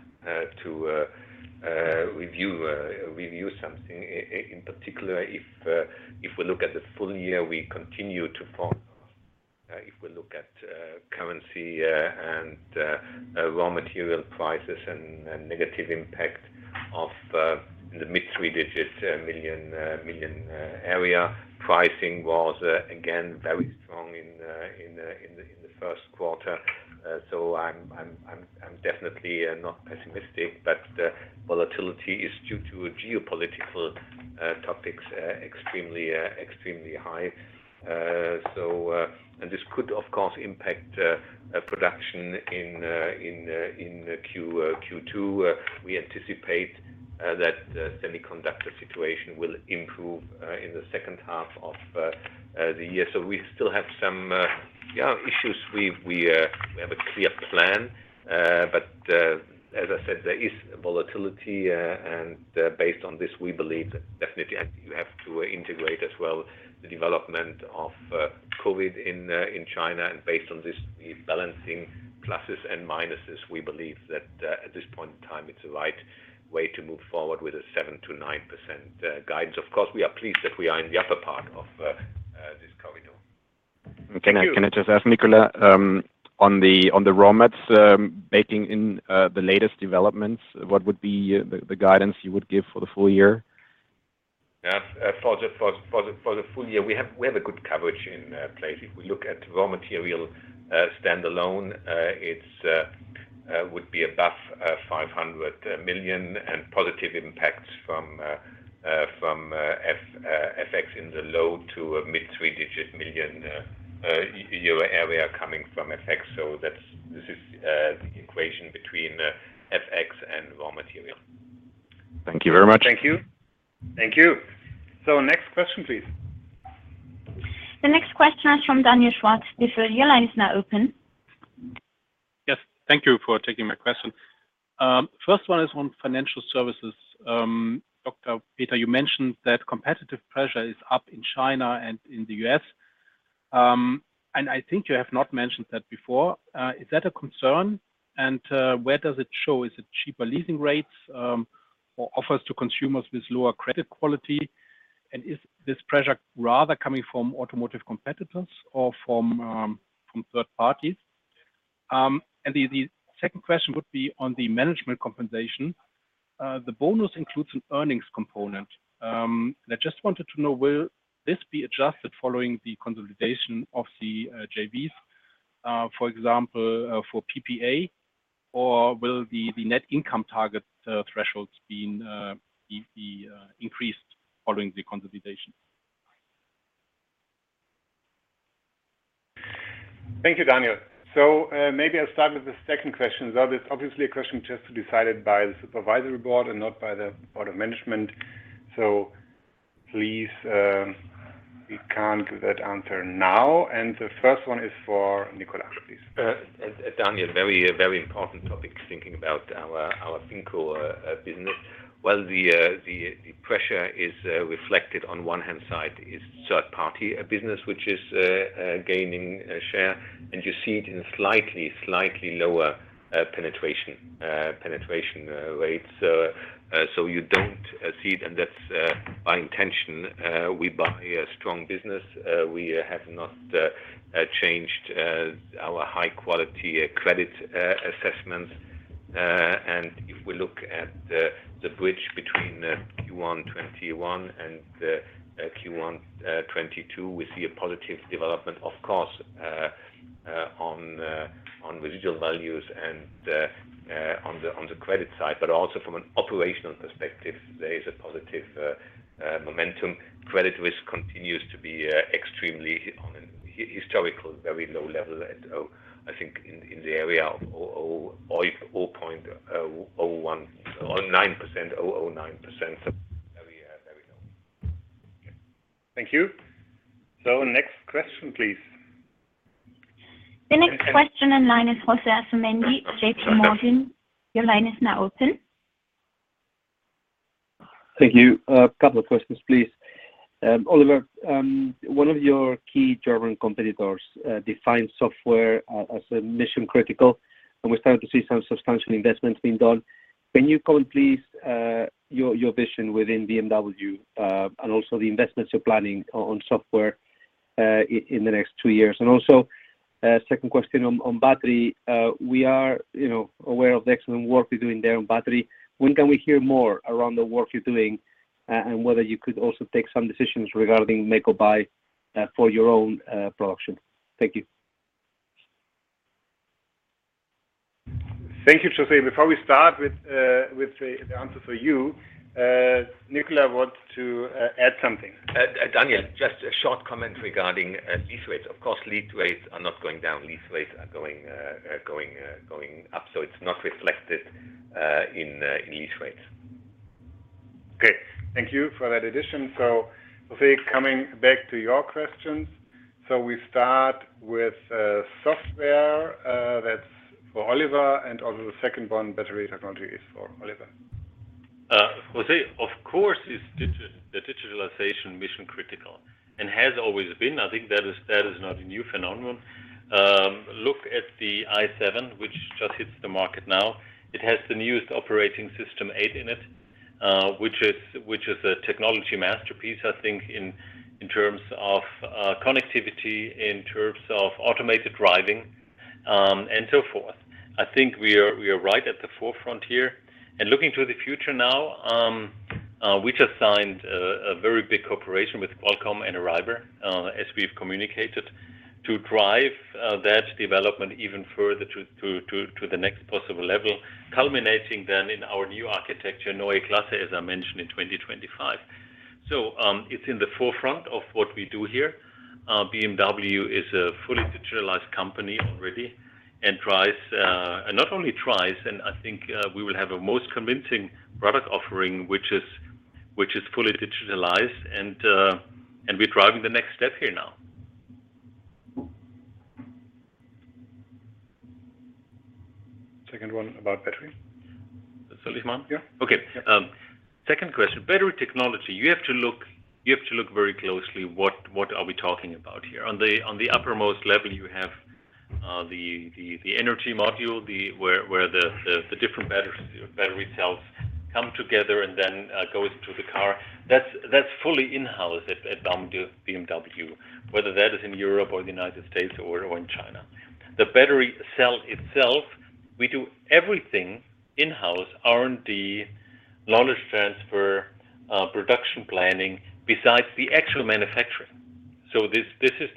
to review something in particular if we look at the full year, we continue to follow. If we look at currency and raw material prices and negative impact of the mid-three-digit million area. Pricing was again very strong in the first quarter. I'm definitely not pessimistic, but the volatility is due to geopolitical topics extremely high. This could, of course, impact production in Q2. We anticipate that the semiconductor situation will improve in the second half of the year. We still have some issues. We have a clear plan. But as I said, there is volatility, and based on this, we believe definitely you have to integrate as well the development of COVID in China, and based on this, the balancing of pluses and minuses. We believe that at this point in time, it's the right way to move forward with a 7%-9% guidance. Of course, we are pleased that we are in the upper part of this corridor. Can I just ask Nicolas, on the raw mats, baking in the latest developments, what would be the guidance you would give for the full year? For the full year, we have a good coverage in place. If we look at raw material standalone, it would be above 500 million and positive impacts from FX in the low- to mid-three-digit million area coming from FX. This is the equation between FX and raw material. Thank you very much. Thank you. Thank you. Next question, please. The next question is from Daniel Schwarz. Daniel, your line is now open. Yes. Thank you for taking my question. First one is on Financial Services. Dr. Peter, you mentioned that competitive pressure is up in China and in the U.S., and I think you have not mentioned that before. Is that a concern? Where does it show? Is it cheaper leasing rates, or offers to consumers with lower credit quality? Is this pressure rather coming from automotive competitors or from third parties? The second question would be on the management compensation. The bonus includes an earnings component, and I just wanted to know, will this be adjusted following the consolidation of the JVs, for example, for PPA? Or will the net income target thresholds be increased following the consolidation? Thank you, Daniel. Maybe I'll start with the second question. That is obviously a question just decided by the supervisory board and not by the board of management. Please, we can't give that answer now. The first one is for Nicolas, please. Daniel, very important topic, thinking about our FinCO business. Well, the pressure is reflected, on the one hand, in third party business, which is gaining share. You see it in slightly lower penetration rates. So you don't see it, and that's intentional. We run a strong business. We have not changed our high quality credit assessments. If we look at the bridge between Q1 2021 and Q1 2022, we see a positive development, of course, on residual values and on the credit side, but also from an operational perspective, there is a positive momentum. Credit risk continues to be extremely at a historically very low level at, I think, in the area of 0.09%. Very low. Thank you. Next question, please. The next question in line is Jose Asumendi, JPMorgan. Your line is now open. Thank you. A couple of questions, please. Oliver, one of your key German competitors defined software as a mission critical, and we're starting to see some substantial investments being done. Can you comment please, your vision within BMW, and also the investments you're planning on software in the next two years? Also, second question on battery. We are, you know, aware of the excellent work you're doing there on battery. When can we hear more around the work you're doing, and whether you could also take some decisions regarding make or buy for your own production? Thank you. Thank you, Jose. Before we start with the answer for you, Nicolas wants to add something. Daniel, just a short comment regarding lease rates. Of course, lease rates are not going down. Lease rates are going up. It's not reflected in lease rates. Okay. Thank you for that addition. Jose, coming back to your questions. We start with software, that's for Oliver, and also the second one, battery technology, is for Oliver. Jose, of course, it's digitalization mission critical and has always been. I think that is not a new phenomenon. Look at the i7, which just hits the market now. It has the newest Operating System 8 in it, which is a technology masterpiece, I think, in terms of connectivity, in terms of automated driving, and so forth. I think we are right at the forefront here. Looking to the future now, we just signed a very big cooperation with Qualcomm and Arriver, as we've communicated, to drive that development even further to the next possible level, culminating then in our new architecture, Neue Klasse, as I mentioned, in 2025. It's in the forefront of what we do here. BMW is a fully digitalized company already and not only tries, and I think we will have a most convincing product offering, which is fully digitalized, and we're driving the next step here now. Second one about battery. Salihman? Yeah. Okay. Second question. Battery technology. You have to look very closely what we are talking about here. On the uppermost level, you have the energy module, where the different battery cells come together and then goes to the car. That's fully in-house at BMW, whether that is in Europe or the United States or in China. The battery cell itself, we do everything in-house, R&D, knowledge transfer, production planning, besides the actual manufacturing. This is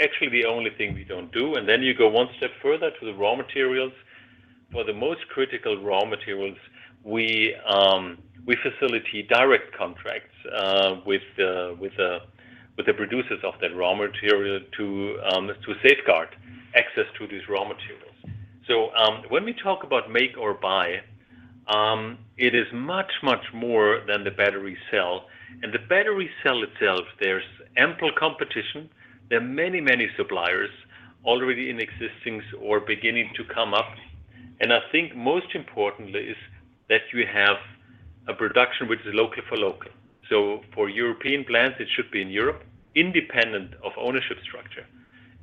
actually the only thing we don't do. You go one step further to the raw materials. For the most critical raw materials, we facilitate direct contracts with the producers of that raw material to safeguard access to these raw materials. When we talk about make or buy, it is much more than the battery cell. The battery cell itself, there's ample competition. There are many suppliers already in existing or beginning to come up. I think most importantly is that you have a production which is local for local. For European plants, it should be in Europe, independent of ownership structure.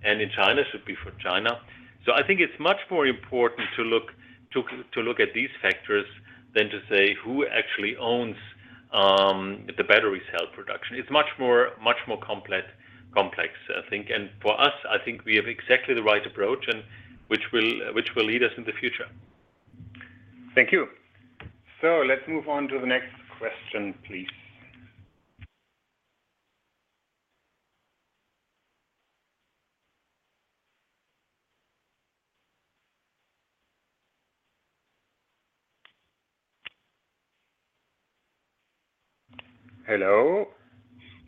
In China, it should be for China. I think it's much more important to look at these factors than to say who actually owns the battery cell production. It's much more complex, I think. For us, I think we have exactly the right approach, which will lead us in the future. Thank you. Let's move on to the next question, please. Hello.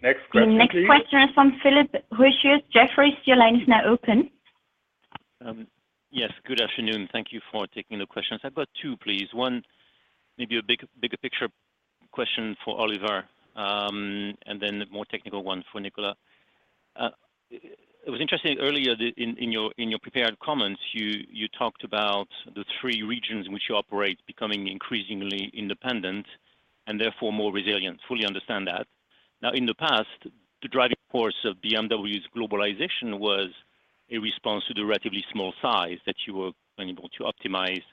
Next question, please. The next question is from Philippe Houchois, Jefferies. Your line is now open. Yes, good afternoon. Thank you for taking the questions. I've got two, please. One, maybe a big, bigger picture question for Oliver, and then a more technical one for Nicolas. It was interesting earlier that in your prepared comments, you talked about the three regions in which you operate becoming increasingly independent and therefore more resilient. Fully understand that. Now, in the past, the driving force of BMW's globalization was a response to the relatively small size that you were unable to optimize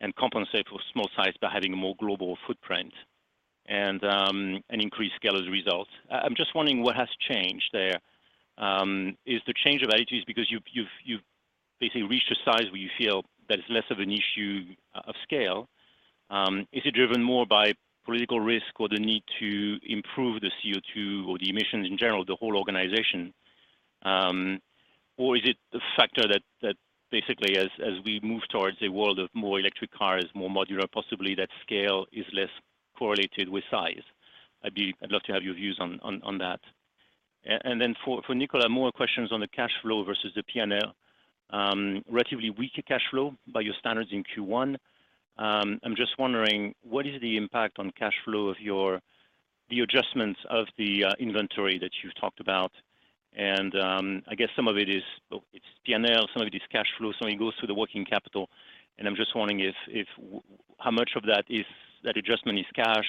and compensate for small size by having a more global footprint and an increased scale as a result. I'm just wondering what has changed there. Is the change of attitudes because you've basically reached a size where you feel that it's less of an issue of scale? Is it driven more by political risk or the need to improve the CO2 or the emissions in general, the whole organization? Or is it the factor that basically as we move towards a world of more electric cars, more modular, possibly that scale is less correlated with size? I'd love to have your views on that. And then for Nicolas, more questions on the cash flow versus the P&L. Relatively weaker cash flow by your standards in Q1. I'm just wondering what is the impact on cash flow of the adjustments of the inventory that you've talked about? I guess some of it is P&L, some of it is cash flow, some of it goes through the working capital. I'm just wondering how much of that adjustment is cash?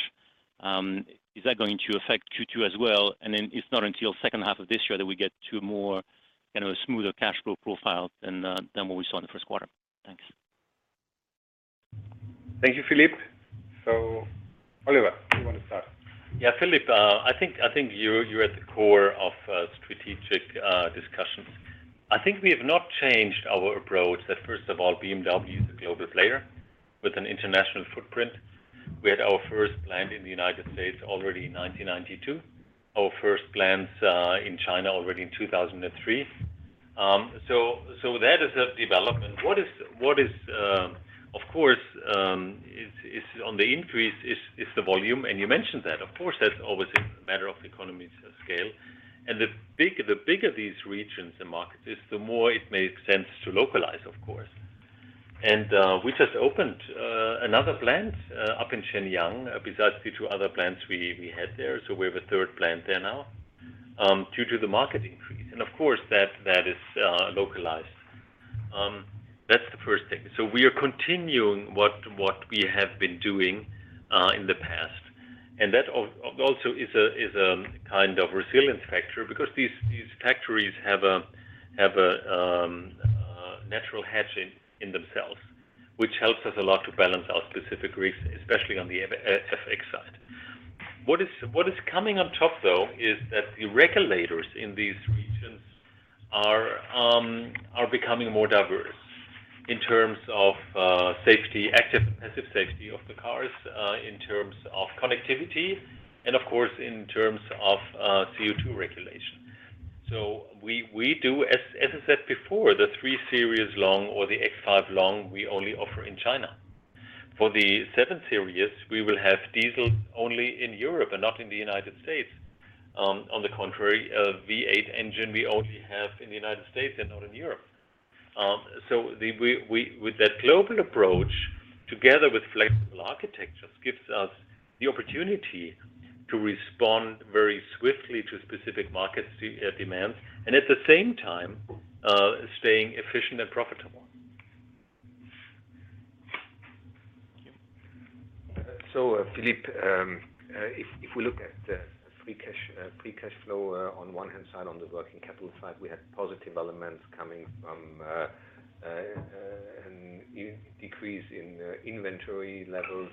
Is that going to affect Q2 as well? It's not until second half of this year that we get to a more, kind of a smoother cash flow profile than what we saw in the first quarter. Thanks. Thank you, Philippe. Oliver, do you want to start? Yeah. Philippe, I think you're at the core of strategic discussions. I think we have not changed our approach that first of all, BMW is a global player with an international footprint. We had our first plant in the United States already in 1992. Our first plants in China already in 2003. That is a development. What is, of course, on the increase is the volume, and you mentioned that. Of course, that's always a matter of economies of scale. The bigger these regions and markets is, the more it makes sense to localize, of course. We just opened another plant up in Shenyang, besides the two other plants we had there. We have a third plant there now, due to the market increase. Of course that is localized. That's the first thing. We are continuing what we have been doing in the past. That also is a kind of resilience factor because these factories have a natural hedge in themselves, which helps us a lot to balance our specific risks, especially on the FX side. What is coming on top, though, is that the regulators in these regions are becoming more diverse in terms of safety, active and passive safety of the cars, in terms of connectivity and of course in terms of CO2 regulation. I said before, the 3 Series long or the X5 long we only offer in China. For the 7 Series we will have diesel only in Europe and not in the United States. On the contrary, a V8 engine we only have in the United States and not in Europe. With that global approach together with flexible architectures gives us the opportunity to respond very swiftly to specific market demands and at the same time staying efficient and profitable. Thank you. Philippe, if we look at the free cash flow on one hand side, on the working capital side, we had positive elements coming from a decrease in inventory levels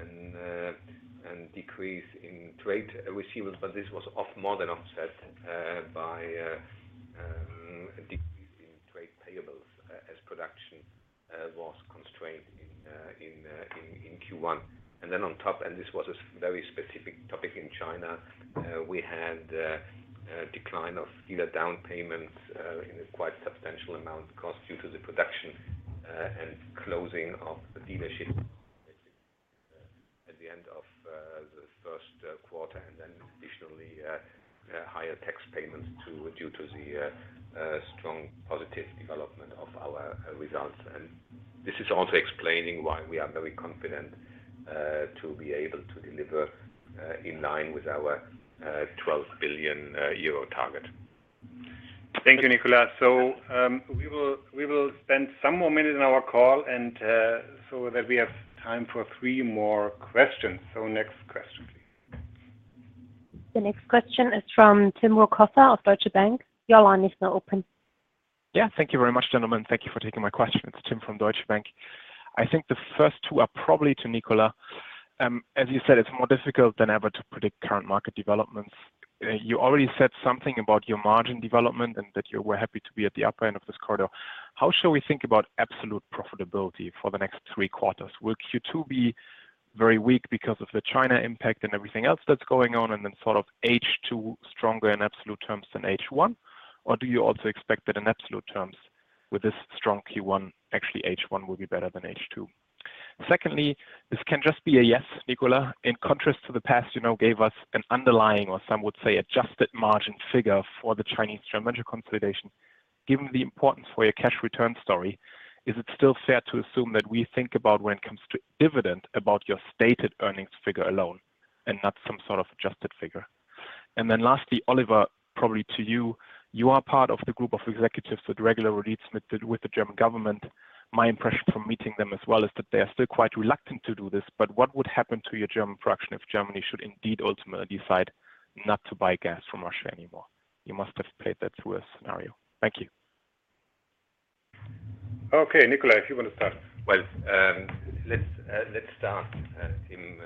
and a decrease in trade receivables, but this was more than offset by a decrease in trade payables as production was constrained in Q1. On top, this was a very specific topic in China, we had a decline of dealer down payments in a quite substantial amount, of course due to the production and closing of the dealership at the end of the first quarter and then additionally higher tax payments too due to the strong positive development of our results. This is also explaining why we are very confident to be able to deliver in line with our 12 billion euro target. Thank you, Nicolas. We will spend some more minutes in our call and so that we have time for three more questions. Next question please. The next question is from Tim Rokossa of Deutsche Bank. Your line is now open. Yeah. Thank you very much, gentlemen. Thank you for taking my question. It's Tim from Deutsche Bank. I think the first two are probably to Nicolas. As you said, it's more difficult than ever to predict current market developments. You already said something about your margin development and that you were happy to be at the upper end of this quarter. How should we think about absolute profitability for the next three quarters? Will Q2 be very weak because of the China impact and everything else that's going on, and then sort of H2 stronger in absolute terms than H1? Or do you also expect that in absolute terms with this strong Q1, actually H1 will be better than H2? Secondly, this can just be a yes, Nicolas, in contrast to the past, you now gave us an underlying, or some would say, adjusted margin figure for the Chinese joint venture consolidation. Given the importance for your cash return story, is it still fair to assume that we think about when it comes to dividend about your stated earnings figure alone and not some sort of adjusted figure? Then lastly, Oliver, probably to you. You are part of the group of executives that regularly meets with the German government. My impression from meeting them as well is that they are still quite reluctant to do this, but what would happen to your German production if Germany should indeed ultimately decide not to buy gas from Russia anymore? You must have played that worst scenario. Thank you. Okay, Nicolas, if you want to start. Well, let's start, Tim,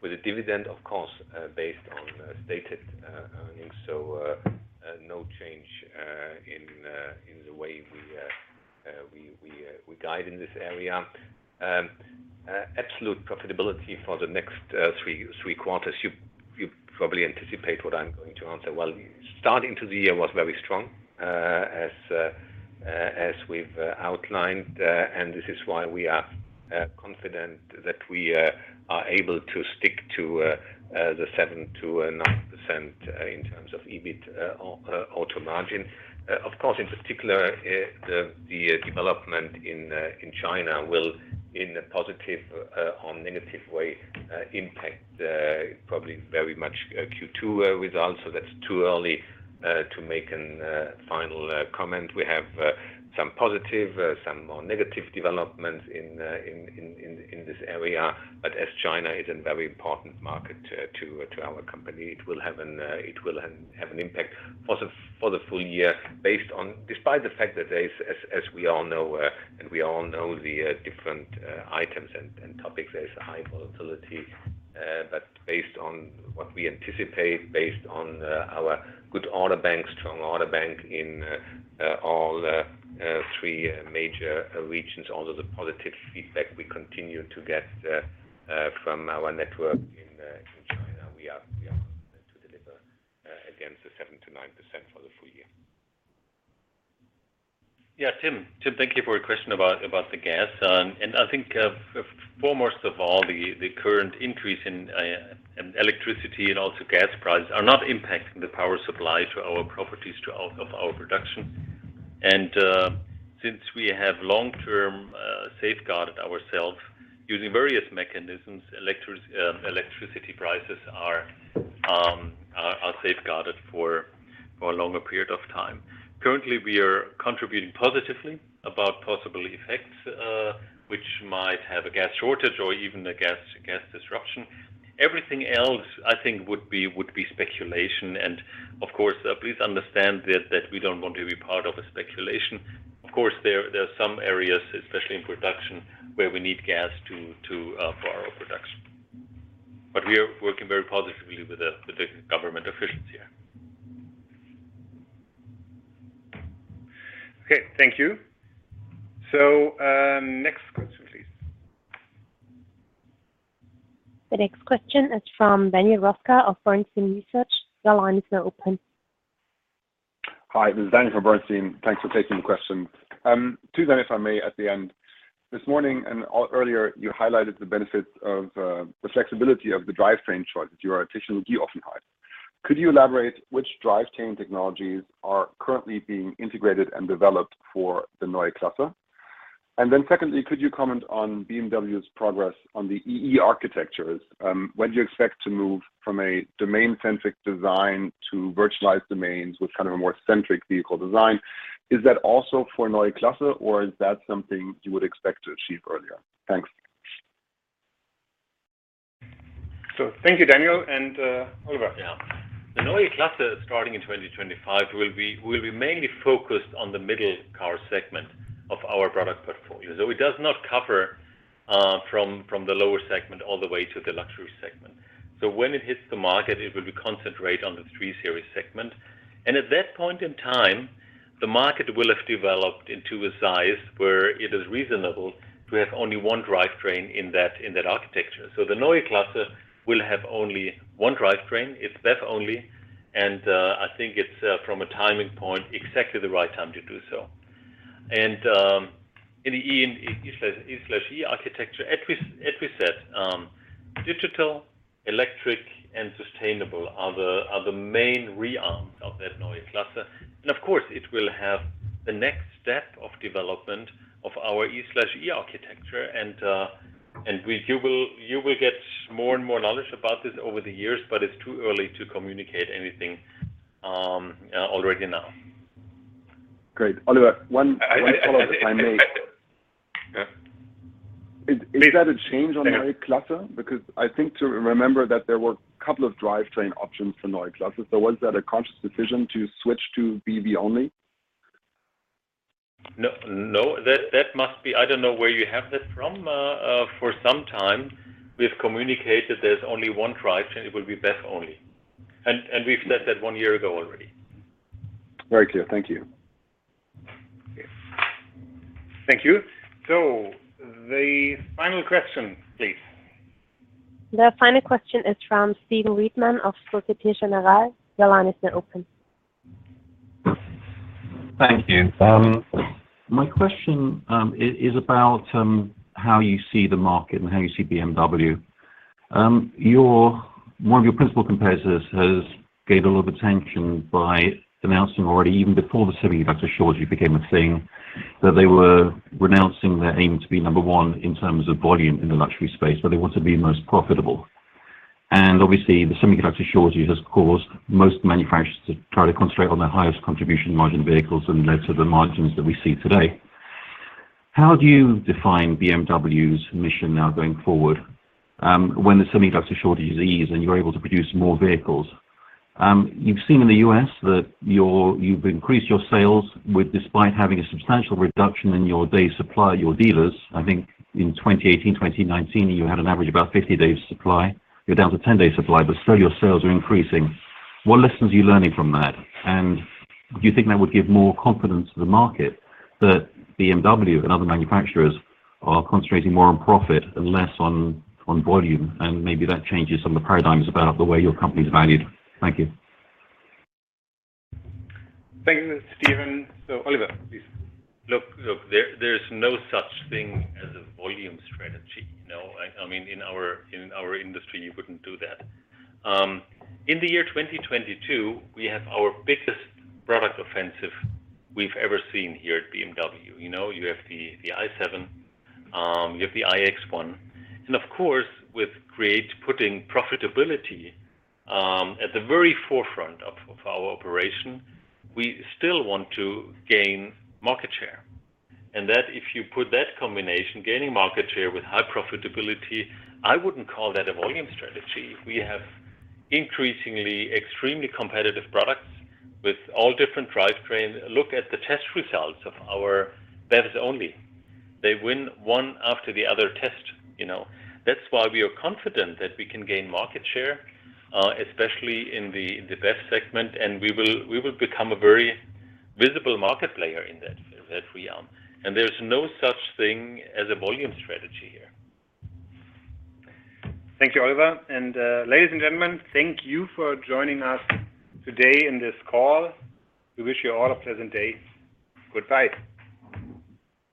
with the dividend, of course, based on stated earnings. No change in the way we guide in this area. Absolute profitability for the next three quarters, you probably anticipate what I'm going to answer. Well, start of the year was very strong, as we've outlined, and this is why we are confident that we are able to stick to the 7%-9% in terms of EBIT auto margin. Of course, in particular, the development in China will, in a positive or negative way, impact probably very much Q2 results. That's too early to make a final comment. We have some positive, some more negative developments in this area. As China is a very important market to our company, it will have an impact for the full year. Despite the fact that as we all know the different items and topics, there's high volatility. Based on what we anticipate, our good, strong order bank in all three major regions, all of the positive feedback we continue to get from our network in China, we are confident to deliver against the 7%-9% for the full year. Yeah. Tim, thank you for your question about the gas. I think foremost of all, the current increase in electricity and also gas prices are not impacting the power supply to our production. Since we have long-term safeguarded ourselves using various mechanisms, electricity prices are safeguarded for a longer period of time. Currently, we are contributing positively about possible effects which might have a gas shortage or even a gas disruption. Everything else, I think, would be speculation. Of course, please understand that we don't want to be part of a speculation. Of course, there are some areas, especially in production, where we need gas for our production. We are working very positively with the government officials here. Okay. Thank you. Next question, please. The next question is from Daniel Roeska of Bernstein Research. Your line is now open. Hi. This is Daniel from Bernstein. Thanks for taking the question. Two, then, if I may, at the end. This morning and earlier, you highlighted the benefits of the flexibility of the drivetrain choice that you offer efficiency you often have. Could you elaborate which drivetrain technologies are currently being integrated and developed for the Neue Klasse? Then secondly, could you comment on BMW's progress on the E/E architectures? When do you expect to move from a domain-centric design to virtualized domains with kind of a more central vehicle design? Is that also for Neue Klasse or is that something you would expect to achieve earlier? Thanks. Thank you, Daniel and Oliver. Yeah. The Neue Klasse starting in 2025 will be mainly focused on the middle car segment of our product portfolio. It does not cover from the lower segment all the way to the luxury segment. When it hits the market, it will be concentrate on the 3 Series segment. At that point in time, the market will have developed into a size where it is reasonable to have only one drivetrain in that architecture. The Neue Klasse will have only one drivetrain. It's BEV only, and I think it's from a timing point, exactly the right time to do so. In the E/E architecture, as we said, digital, electric and sustainable are the main realms of that Neue Klasse. Of course, it will have the next step of development of our E/E architecture. You will get more and more knowledge about this over the years, but it's too early to communicate anything already now. Great. Oliver I, I- One follow-up if I may. Is that a change on Neue Klasse? Because I think to remember that there were a couple of drivetrain options for Neue Klasse. Was that a conscious decision to switch to BEV only? No, no. That must be. I don't know where you have that from. For some time we've communicated there's only one drivetrain, it will be BEV only. We've said that one year ago already. Very clear. Thank you. Okay. Thank you. The final question, please. The final question is from Steve Reitman of Société Générale. Your line is now open. Thank you. My question is about how you see the market and how you see BMW. One of your principal competitors has gained a lot of attention by announcing already, even before the semiconductor shortage became a thing, that they were renouncing their aim to be number one in terms of volume in the luxury space, but they want to be most profitable. Obviously, the semiconductor shortage has caused most manufacturers to try to concentrate on their highest contribution margin vehicles and led to the margins that we see today. How do you define BMW's mission now going forward, when the semiconductor shortage is eased and you're able to produce more vehicles? You've seen in the U.S. that you've increased your sales despite having a substantial reduction in your day supply at your dealers. I think in 2018, 2019, you had an average of about 50 days supply. You're down to 10-day supply, but still your sales are increasing. What lessons are you learning from that? Do you think that would give more confidence to the market that BMW and other manufacturers are concentrating more on profit and less on volume, and maybe that changes some of the paradigms about the way your company's valued? Thank you. Thank you, Stephen. Oliver, please. Look, there's no such thing as a volume strategy, you know. I mean, in our industry, you wouldn't do that. In the year 2022, we have our biggest product offensive we've ever seen here at BMW. You know, you have the i7, you have the iX1. Of course, with putting profitability at the very forefront of our operation, we still want to gain market share. That, if you put that combination, gaining market share with high profitability, I wouldn't call that a volume strategy. We have increasingly extremely competitive products with all different drivetrain. Look at the test results of our BEVs only. They win one after the other test, you know. That's why we are confident that we can gain market share, especially in the BEV segment, and we will become a very visible market player in that field that we are. There's no such thing as a volume strategy here. Thank you, Oliver. Ladies and gentlemen, thank you for joining us today in this call. We wish you all a pleasant day. Goodbye.